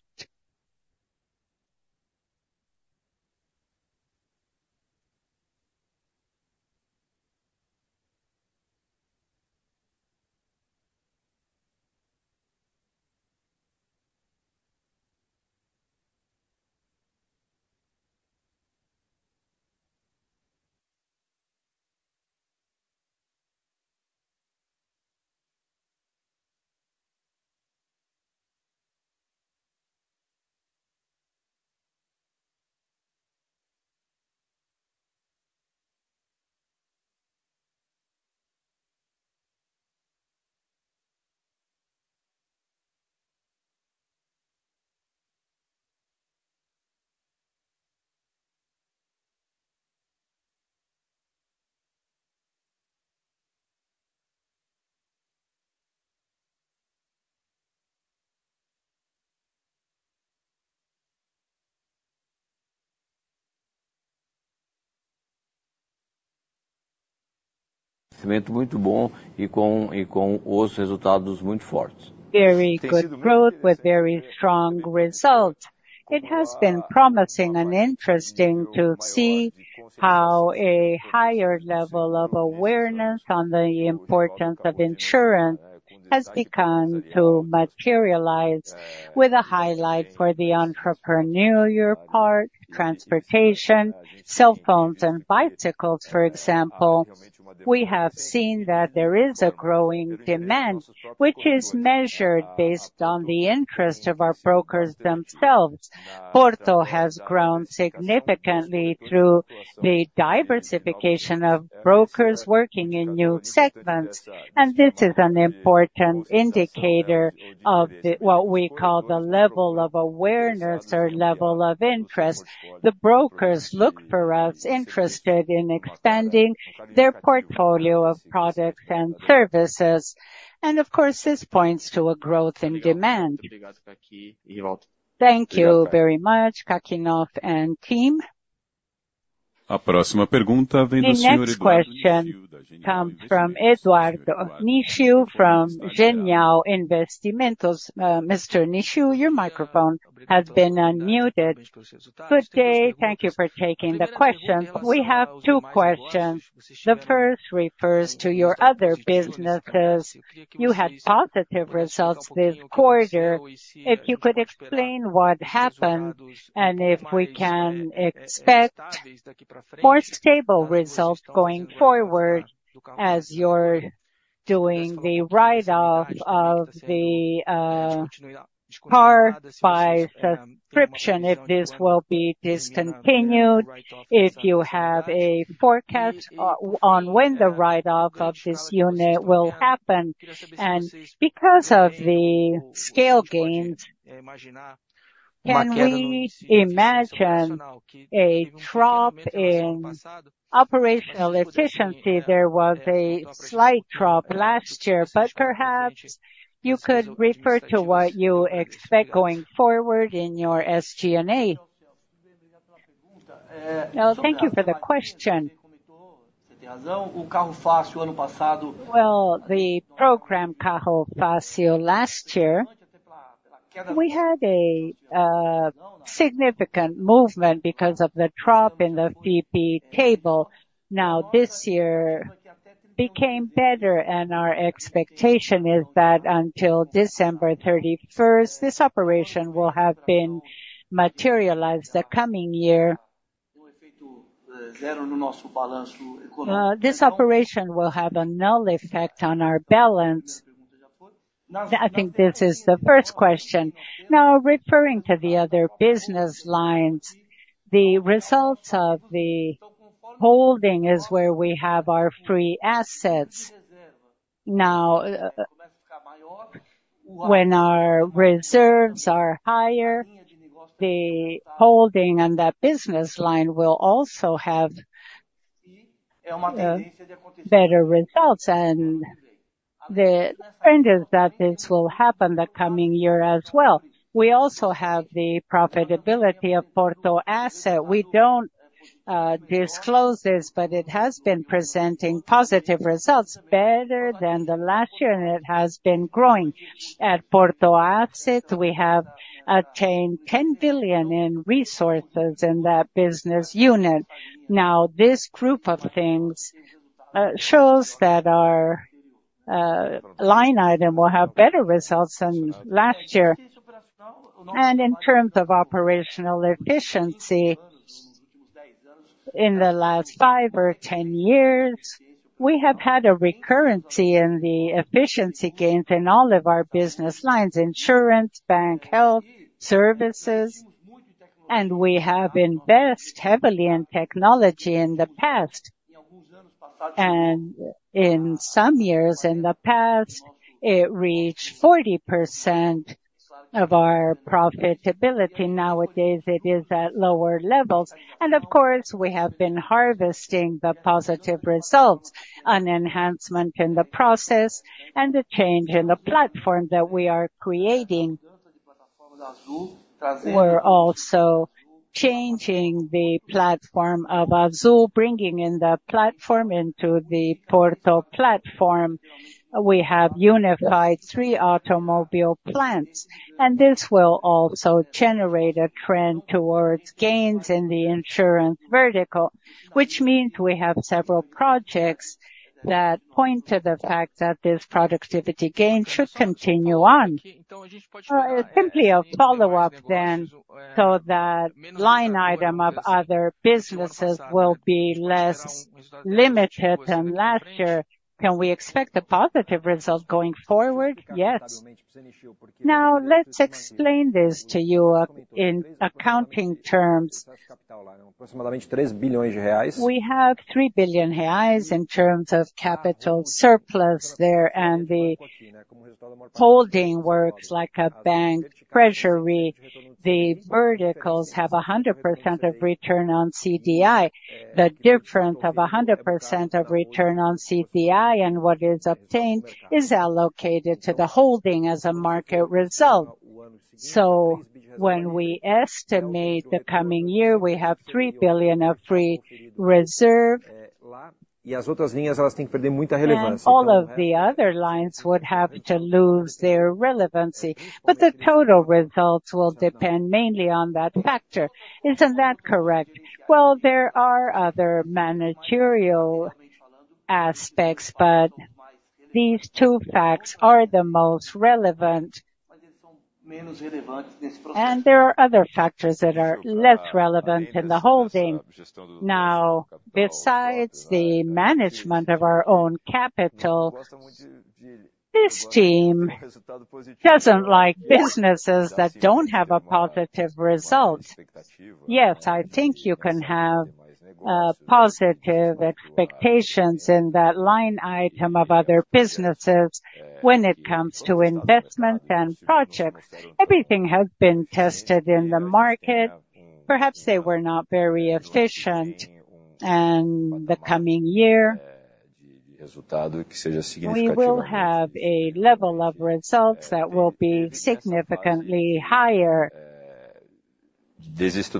[SPEAKER 2] Excelente, muito bom e com outros resultados muito fortes. Very good growth with very strong results. It has been promising and interesting to see how a higher level of awareness on the importance of insurance has begun to materialize, with a highlight for the entrepreneurial part, transportation, cell phones, and bicycles, for example. We have seen that there is a growing demand, which is measured based on the interest of our brokers themselves. Porto has grown significantly through the diversification of brokers working in new segments, and this is an important indicator of what we call the level of awareness or level of interest. The brokers look for us, interested in expanding their portfolio of products and services. And of course, this points to a growth in demand. Thank you very much, Kakinoff and team. A próxima pergunta vem do senhor Eduardo. Next question comes from Eduardo Nishio from Genial Investimentos. Mr. Nishio, your microphone has been unmuted. Good day, thank you for taking the question. We have two questions. The first refers to your other businesses. You had positive results this quarter. If you could explain what happened and if we can expect more stable results going forward as you're doing the write-off of the car by subscription, if this will be discontinued, if you have a forecast on when the write-off of this unit will happen. And because of the scale gains, can we imagine a drop in operational efficiency? There was a slight drop last year, but perhaps you could refer to what you expect going forward in your SG&A? Well, thank you for the question. Well, the program Carro Fácil last year, we had a significant movement because of the drop in the FIPE table. Now, this year became better, and our expectation is that until December 31st, this operation will have been materialized the coming year. This operation will have a null effect on our balance. I think this is the first question. Now, referring to the other business lines, the results of the holding is where we have our free assets. Now, when our reserves are higher, the holding on that business line will also have better results. And the trend is that this will happen the coming year as well. We also have the profitability of Porto Asset. We don't disclose this, but it has been presenting positive results better than the last year, and it has been growing. At Porto Asset, we have attained 10 billion in resources in that business unit. Now, this group of things shows that our line item will have better results than last year. And in terms of operational efficiency in the last five or ten years, we have had a recurrence in the efficiency gains in all of our business lines: insurance, bank, health services. And we have invested heavily in technology in the past. And in some years in the past, it reached 40% of our profitability. Nowadays, it is at lower levels. And of course, we have been harvesting the positive results, an enhancement in the process, and the change in the platform that we are creating. We're also changing the platform of Azul, bringing in the platform into the Porto platform. We have unified three automobile plants, and this will also generate a trend towards gains in the insurance vertical, which means we have several projects that point to the fact that this productivity gain should continue on. Simply a follow-up then, so that line item of other businesses will be less limited than last year. Can we expect a positive result going forward? Yes. Now, let's explain this to you in accounting terms. We have 3 billion reais in terms of capital surplus there, and the holding works like a bank treasury. The verticals have 100% of return on CDI. The difference of 100% of return on CDI and what is obtained is allocated to the holding as a market result. So when we estimate the coming year, we have 3 billion BRL of free reserve. All of the other lines would have to lose their relevancy. The total results will depend mainly on that factor. Isn't that correct? There are other managerial aspects, but these two facts are the most relevant. There are other factors that are less relevant in the holding. Now, besides the management of our own capital, this team doesn't like businesses that don't have a positive result. Yes, I think you can have positive expectations in that line item of other businesses when it comes to investments and projects. Everything has been tested in the market. Perhaps they were not very efficient in the coming year. We will have a level of results that will be significantly higher. It's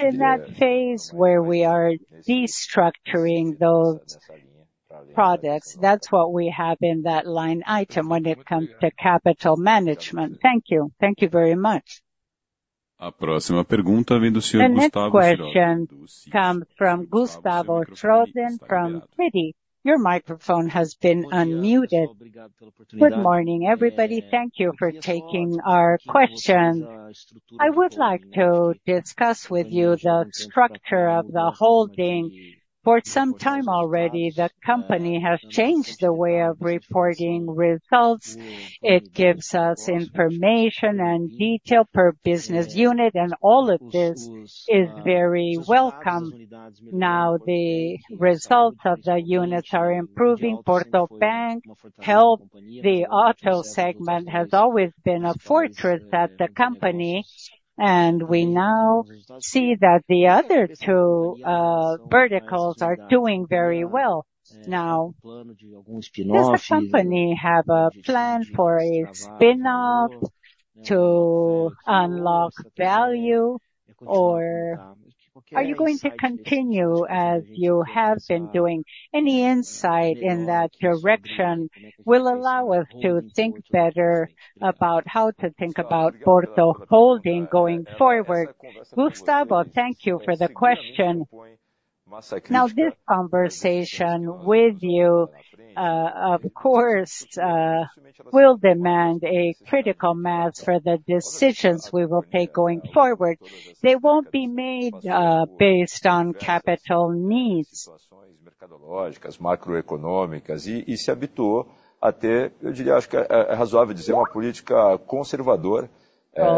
[SPEAKER 2] in that phase where we are destructuring those products. That's what we have in that line item when it comes to capital management. Thank you. Thank you very much. A próxima pergunta vem do senhor Gustavo Schroden. And this question comes from Gustavo Schroden from TD Cowen. Your microphone has been unmuted. Good morning, everybody. Thank you for taking our question. I would like to discuss with you the structure of the holding. For some time already, the company has changed the way of reporting results. It gives us information and detail per business unit, and all of this is very welcome. Now, the results of the units are improving. Porto Bank helped. The auto segment has always been a fortress at the company, and we now see that the other two verticals are doing very well. Now, does the company have a plan for a spin-off to unlock value, or are you going to continue as you have been doing? Any insight in that direction will allow us to think better about how to think about Porto Holding going forward. Gustavo, thank you for the question. Now, this conversation with you, of course, will demand a critical mass for the decisions we will take going forward. They won't be made based on capital needs. E se habituou até, eu diria, acho que é razoável dizer, uma política conservadora.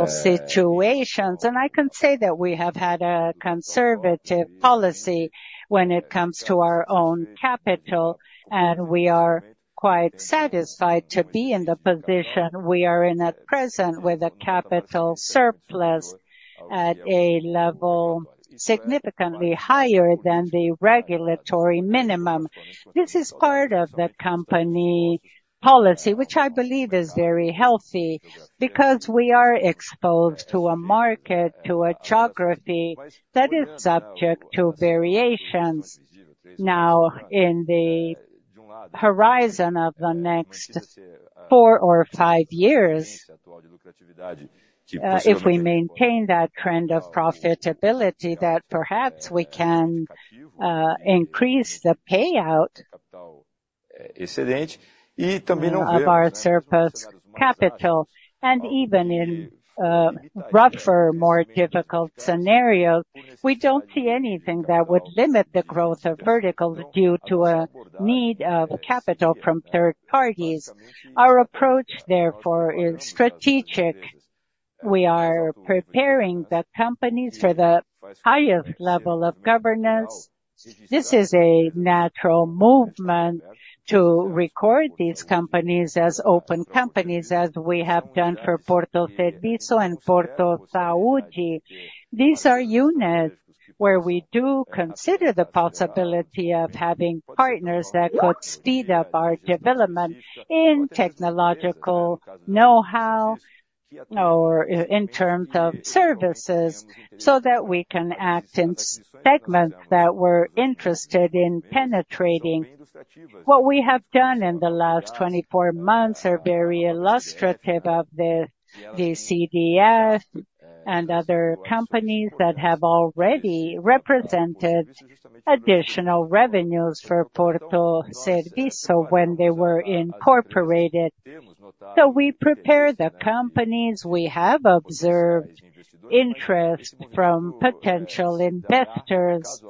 [SPEAKER 2] Situations, and I can say that we have had a conservative policy when it comes to our own capital, and we are quite satisfied to be in the position we are in at present with a capital surplus at a level significantly higher than the regulatory minimum. This is part of the company policy, which I believe is very healthy because we are exposed to a market, to a geography that is subject to variations. Now, in the horizon of the next four or five years, if we maintain that trend of profitability, that perhaps we can increase the payout of our surplus capital, and even in rougher, more difficult scenarios, we don't see anything that would limit the growth of verticals due to a need of capital from third parties. Our approach, therefore, is strategic. We are preparing the companies for the highest level of governance. This is a natural movement to record these companies as open companies, as we have done for Porto Serviço and Porto Saúde. These are units where we do consider the possibility of having partners that could speed up our development in technological know-how or in terms of services so that we can act in segments that we're interested in penetrating. What we have done in the last 24 months is very illustrative of the CDF and other companies that have already represented additional revenues for Porto Serviço when they were incorporated, so we prepare the companies, we have observed interest from potential investors,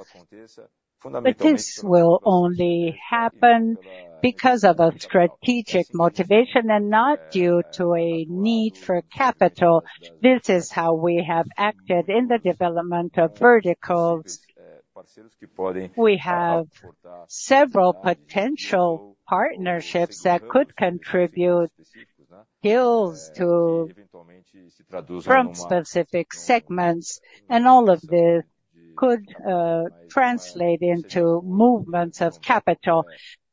[SPEAKER 2] but this will only happen because of a strategic motivation and not due to a need for capital. This is how we have acted in the development of verticals. We have several potential partnerships that could contribute skills to from specific segments, and all of this could translate into movements of capital,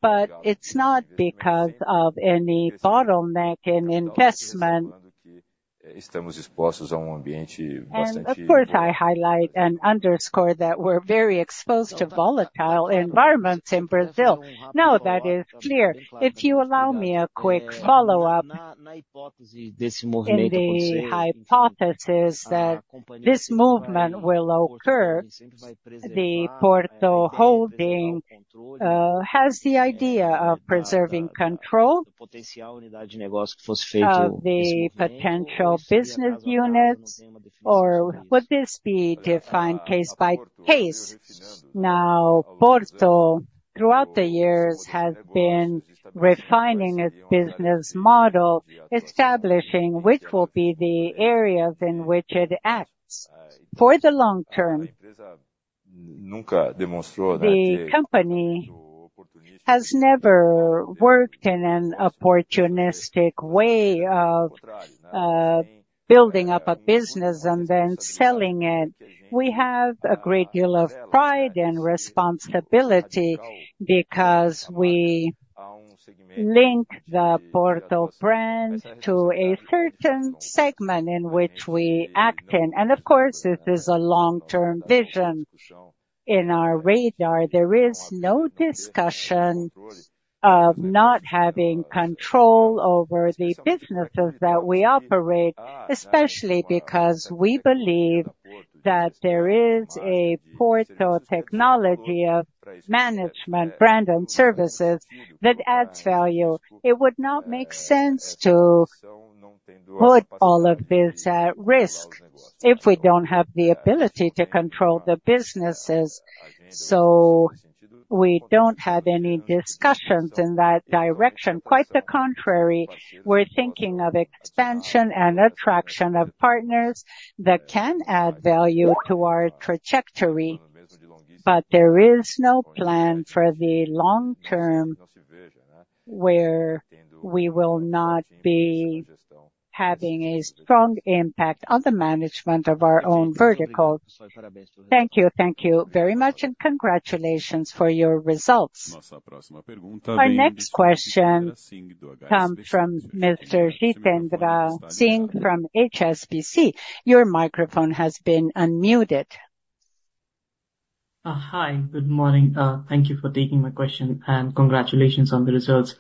[SPEAKER 2] but it's not because of any bottleneck in investment. Of course, I highlight and underscore that we're very exposed to volatile environments in Brazil. Now, that is clear. If you allow me a quick follow-up, the hypothesis that this movement will occur, the Porto Holding has the idea of preserving control, of the potential business units, or would this be defined case by case? Now, Porto, throughout the years, has been refining its business model, establishing which will be the areas in which it acts. For the long term, the company has never worked in an opportunistic way of building up a business and then selling it. We have a great deal of pride and responsibility because we link the Porto brand to a certain segment in which we act in. And of course, this is a long-term vision in our radar. There is no discussion of not having control over the businesses that we operate, especially because we believe that there is a Porto technology of management, brand, and services that adds value. It would not make sense to put all of this at risk if we don't have the ability to control the businesses. So we don't have any discussions in that direction. Quite the contrary, we're thinking of expansion and attraction of partners that can add value to our trajectory. But there is no plan for the long term where we will not be having a strong impact on the management of our own verticals. Thank you, thank you very much, and congratulations for your results. Our next question comes from Jitendra Shah from HSBC. Your microphone has been unmuted.
[SPEAKER 3] Hi, good morning. Thank you for taking my question, and congratulations on the results.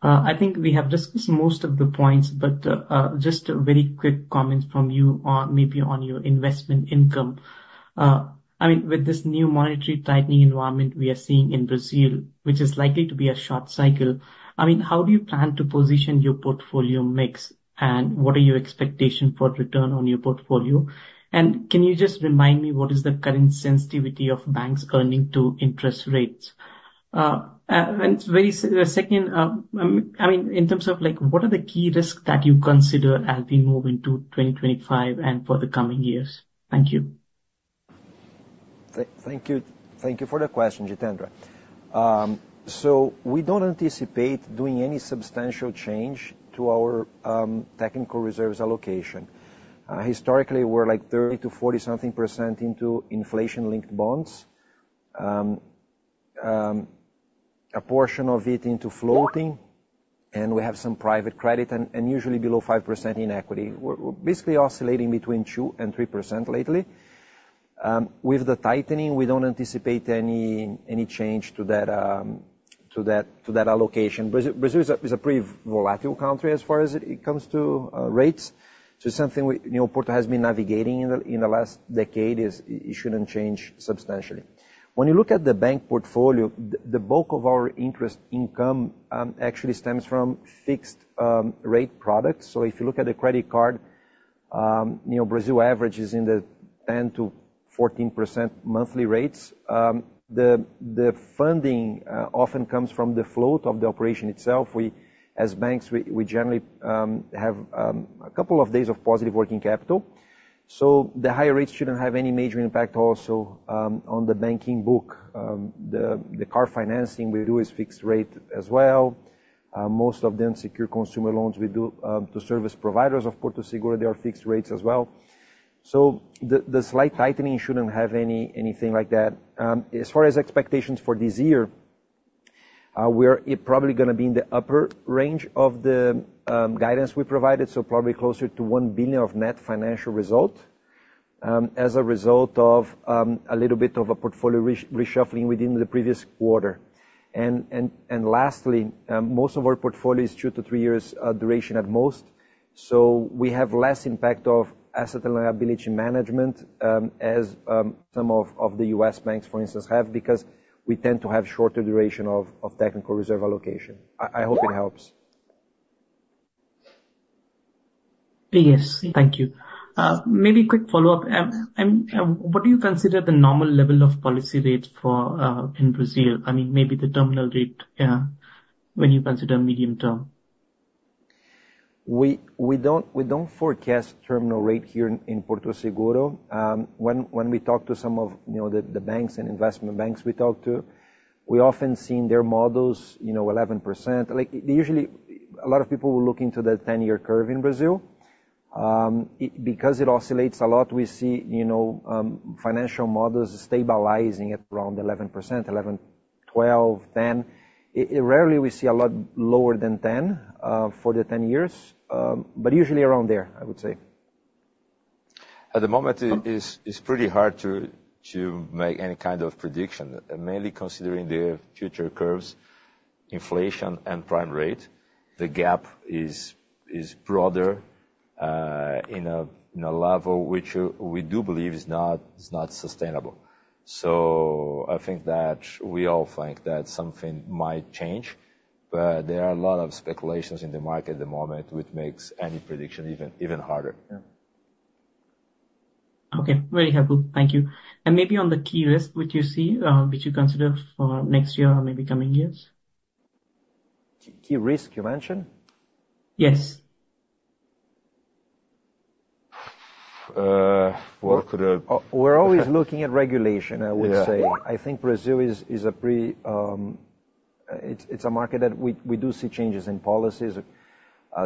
[SPEAKER 3] I think we have discussed most of the points, but just a very quick comment from you on maybe on your investment income. I mean, with this new monetary tightening environment we are seeing in Brazil, which is likely to be a short cycle, I mean, how do you plan to position your portfolio mix, and what are your expectations for return on your portfolio? And can you just remind me what is the current sensitivity of bank earnings to interest rates? And second, I mean, in terms of what are the key risks that you consider as we move into 2025 and for the coming years? Thank you.
[SPEAKER 2] Thank you for the question, Jitendra. So we don't anticipate doing any substantial change to our technical reserves allocation. Historically, we're like 30%-40-something% into inflation-linked bonds, a portion of it into floating, and we have some private credit, and usually below 5% in equity. We're basically oscillating between 2%-3% lately. With the tightening, we don't anticipate any change to that allocation. Brazil is a pretty volatile country as far as it comes to rates, so something new Porto has been navigating in the last decade is, it shouldn't change substantially. When you look at the bank portfolio, the bulk of our interest income actually stems from fixed rate products, so if you look at the credit card, Brazil averages in the 10%-14% monthly rates. The funding often comes from the float of the operation itself. As banks, we generally have a couple of days of positive working capital, so the higher rates shouldn't have any major impact also on the banking book. The car financing we do is fixed rate as well. Most of the unsecured consumer loans we do to service providers of Porto Seguro. They are fixed rates as well. So the slight tightening shouldn't have anything like that. As far as expectations for this year, we're probably going to be in the upper range of the guidance we provided, so probably closer to 1 billion of net financial result as a result of a little bit of a portfolio reshuffling within the previous quarter. And lastly, most of our portfolio is two to three years duration at most. So we have less impact of asset and liability management as some of the U.S. banks, for instance, have because we tend to have shorter duration of technical reserve allocation. I hope it helps.
[SPEAKER 3] Yes, thank you. Maybe a quick follow-up. What do you consider the normal level of policy rates in Brazil? I mean, maybe the terminal rate when you consider medium term. We don't forecast terminal rate here in Porto Seguro.
[SPEAKER 2] When we talk to some of the banks and investment banks we talk to, we often see in their models, you know, 11%. Usually, a lot of people will look into the 10-year curve in Brazil. Because it oscillates a lot, we see financial models stabilizing at around 11%, 11%, 12%, 10%. Rarely we see a lot lower than 10% for the 10 years, but usually around there, I would say. At the moment, it's pretty hard to make any kind of prediction, mainly considering the future curves, inflation, and prime rate. The gap is broader in a level which we do believe is not sustainable. So I think that we all think that something might change, but there are a lot of speculations in the market at the moment, which makes any prediction even harder.
[SPEAKER 3] Okay, very helpful. Thank you. And maybe on the key risk, would you see, would you consider for next year or maybe coming years?
[SPEAKER 2] Key risk you mentioned?
[SPEAKER 3] Yes.
[SPEAKER 2] We're always looking at regulation, I would say. I think Brazil is a pretty, it's a market that we do see changes in policies.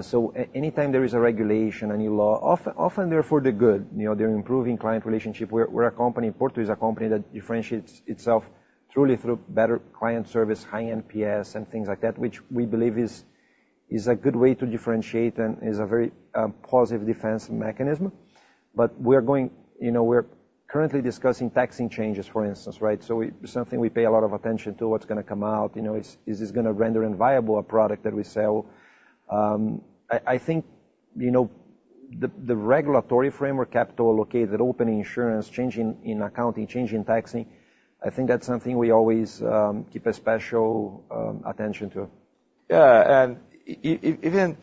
[SPEAKER 2] So anytime there is a regulation, any law, often they're for the good. They're improving client relationship. We're a company, Porto is a company that differentiates itself truly through better client service, high NPS, and things like that, which we believe is a good way to differentiate and is a very positive defense mechanism. But we're going, you know, we're currently discussing tax changes, for instance, right? So it's something we pay a lot of attention to, what's going to come out, you know, is this going to render inviable a product that we sell? I think, you know, the regulatory framework, capital allocated, opening insurance, changing in accounting, changing taxing, I think that's something we always keep a special attention to. Yeah, and even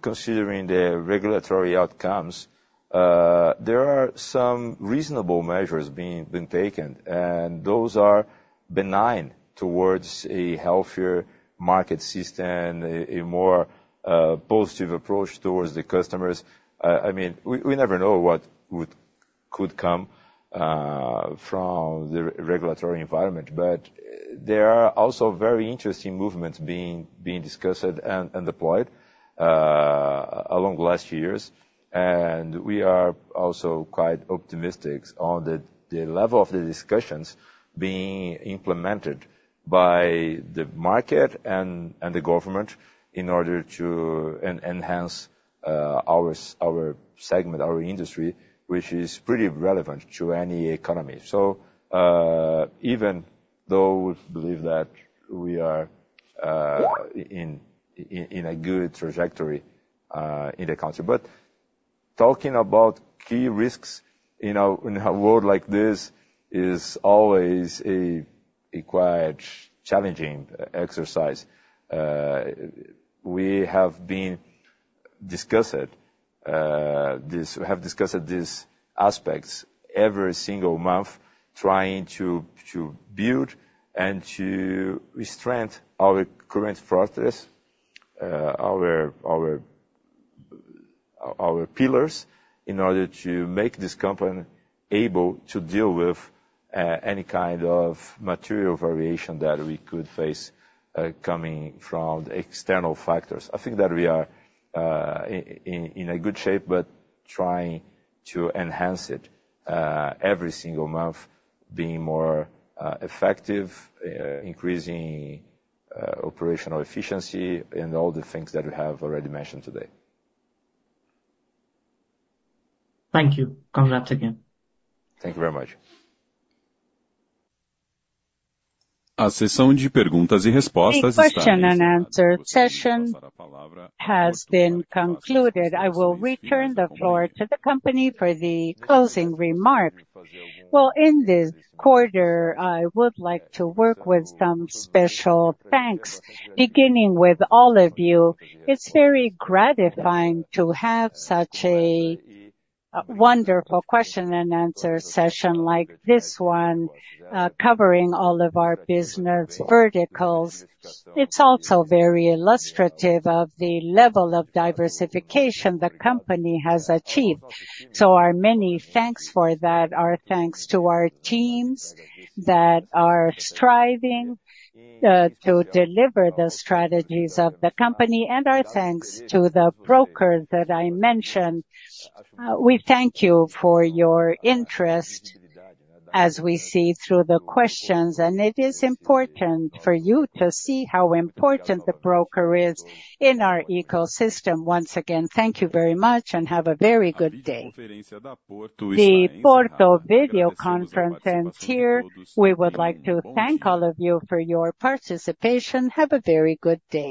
[SPEAKER 2] considering the regulatory outcomes, there are some reasonable measures being taken, and those are benign towards a healthier market system, a more positive approach towards the customers. I mean, we never know what could come from the regulatory environment, but there are also very interesting movements being discussed and deployed along the last few years, and we are also quite optimistic on the level of the discussions being implemented by the market and the government in order to enhance our segment, our industry, which is pretty relevant to any economy. So even though we believe that we are in a good trajectory in the country, but talking about key risks in a world like this is always a quite challenging exercise. We have been discussing these aspects every single month, trying to build and to strengthen our current fortress, our pillars in order to make this company able to deal with any kind of material variation that we could face coming from external factors. I think that we are in a good shape, but trying to enhance it every single month, being more effective, increasing operational efficiency and all the things that we have already mentioned today.
[SPEAKER 3] Thank you. Congrats again.
[SPEAKER 2] Thank you very much.
[SPEAKER 4] A sessão de perguntas e respostas.
[SPEAKER 2] The question and answer session has been concluded. I will return the floor to the company for the closing remark. In this quarter, I would like to work with some special thanks, beginning with all of you. It's very gratifying to have such a wonderful question and answer session like this one, covering all of our business verticals. It's also very illustrative of the level of diversification the company has achieved. So our many thanks for that are thanks to our teams that are striving to deliver the strategies of the company, and our thanks to the broker that I mentioned. We thank you for your interest as we see through the questions, and it is important for you to see how important the broker is in our ecosystem. Once again, thank you very much and have a very good day. The Porto video conference ends here. We would like to thank all of you for your participation. Have a very good day.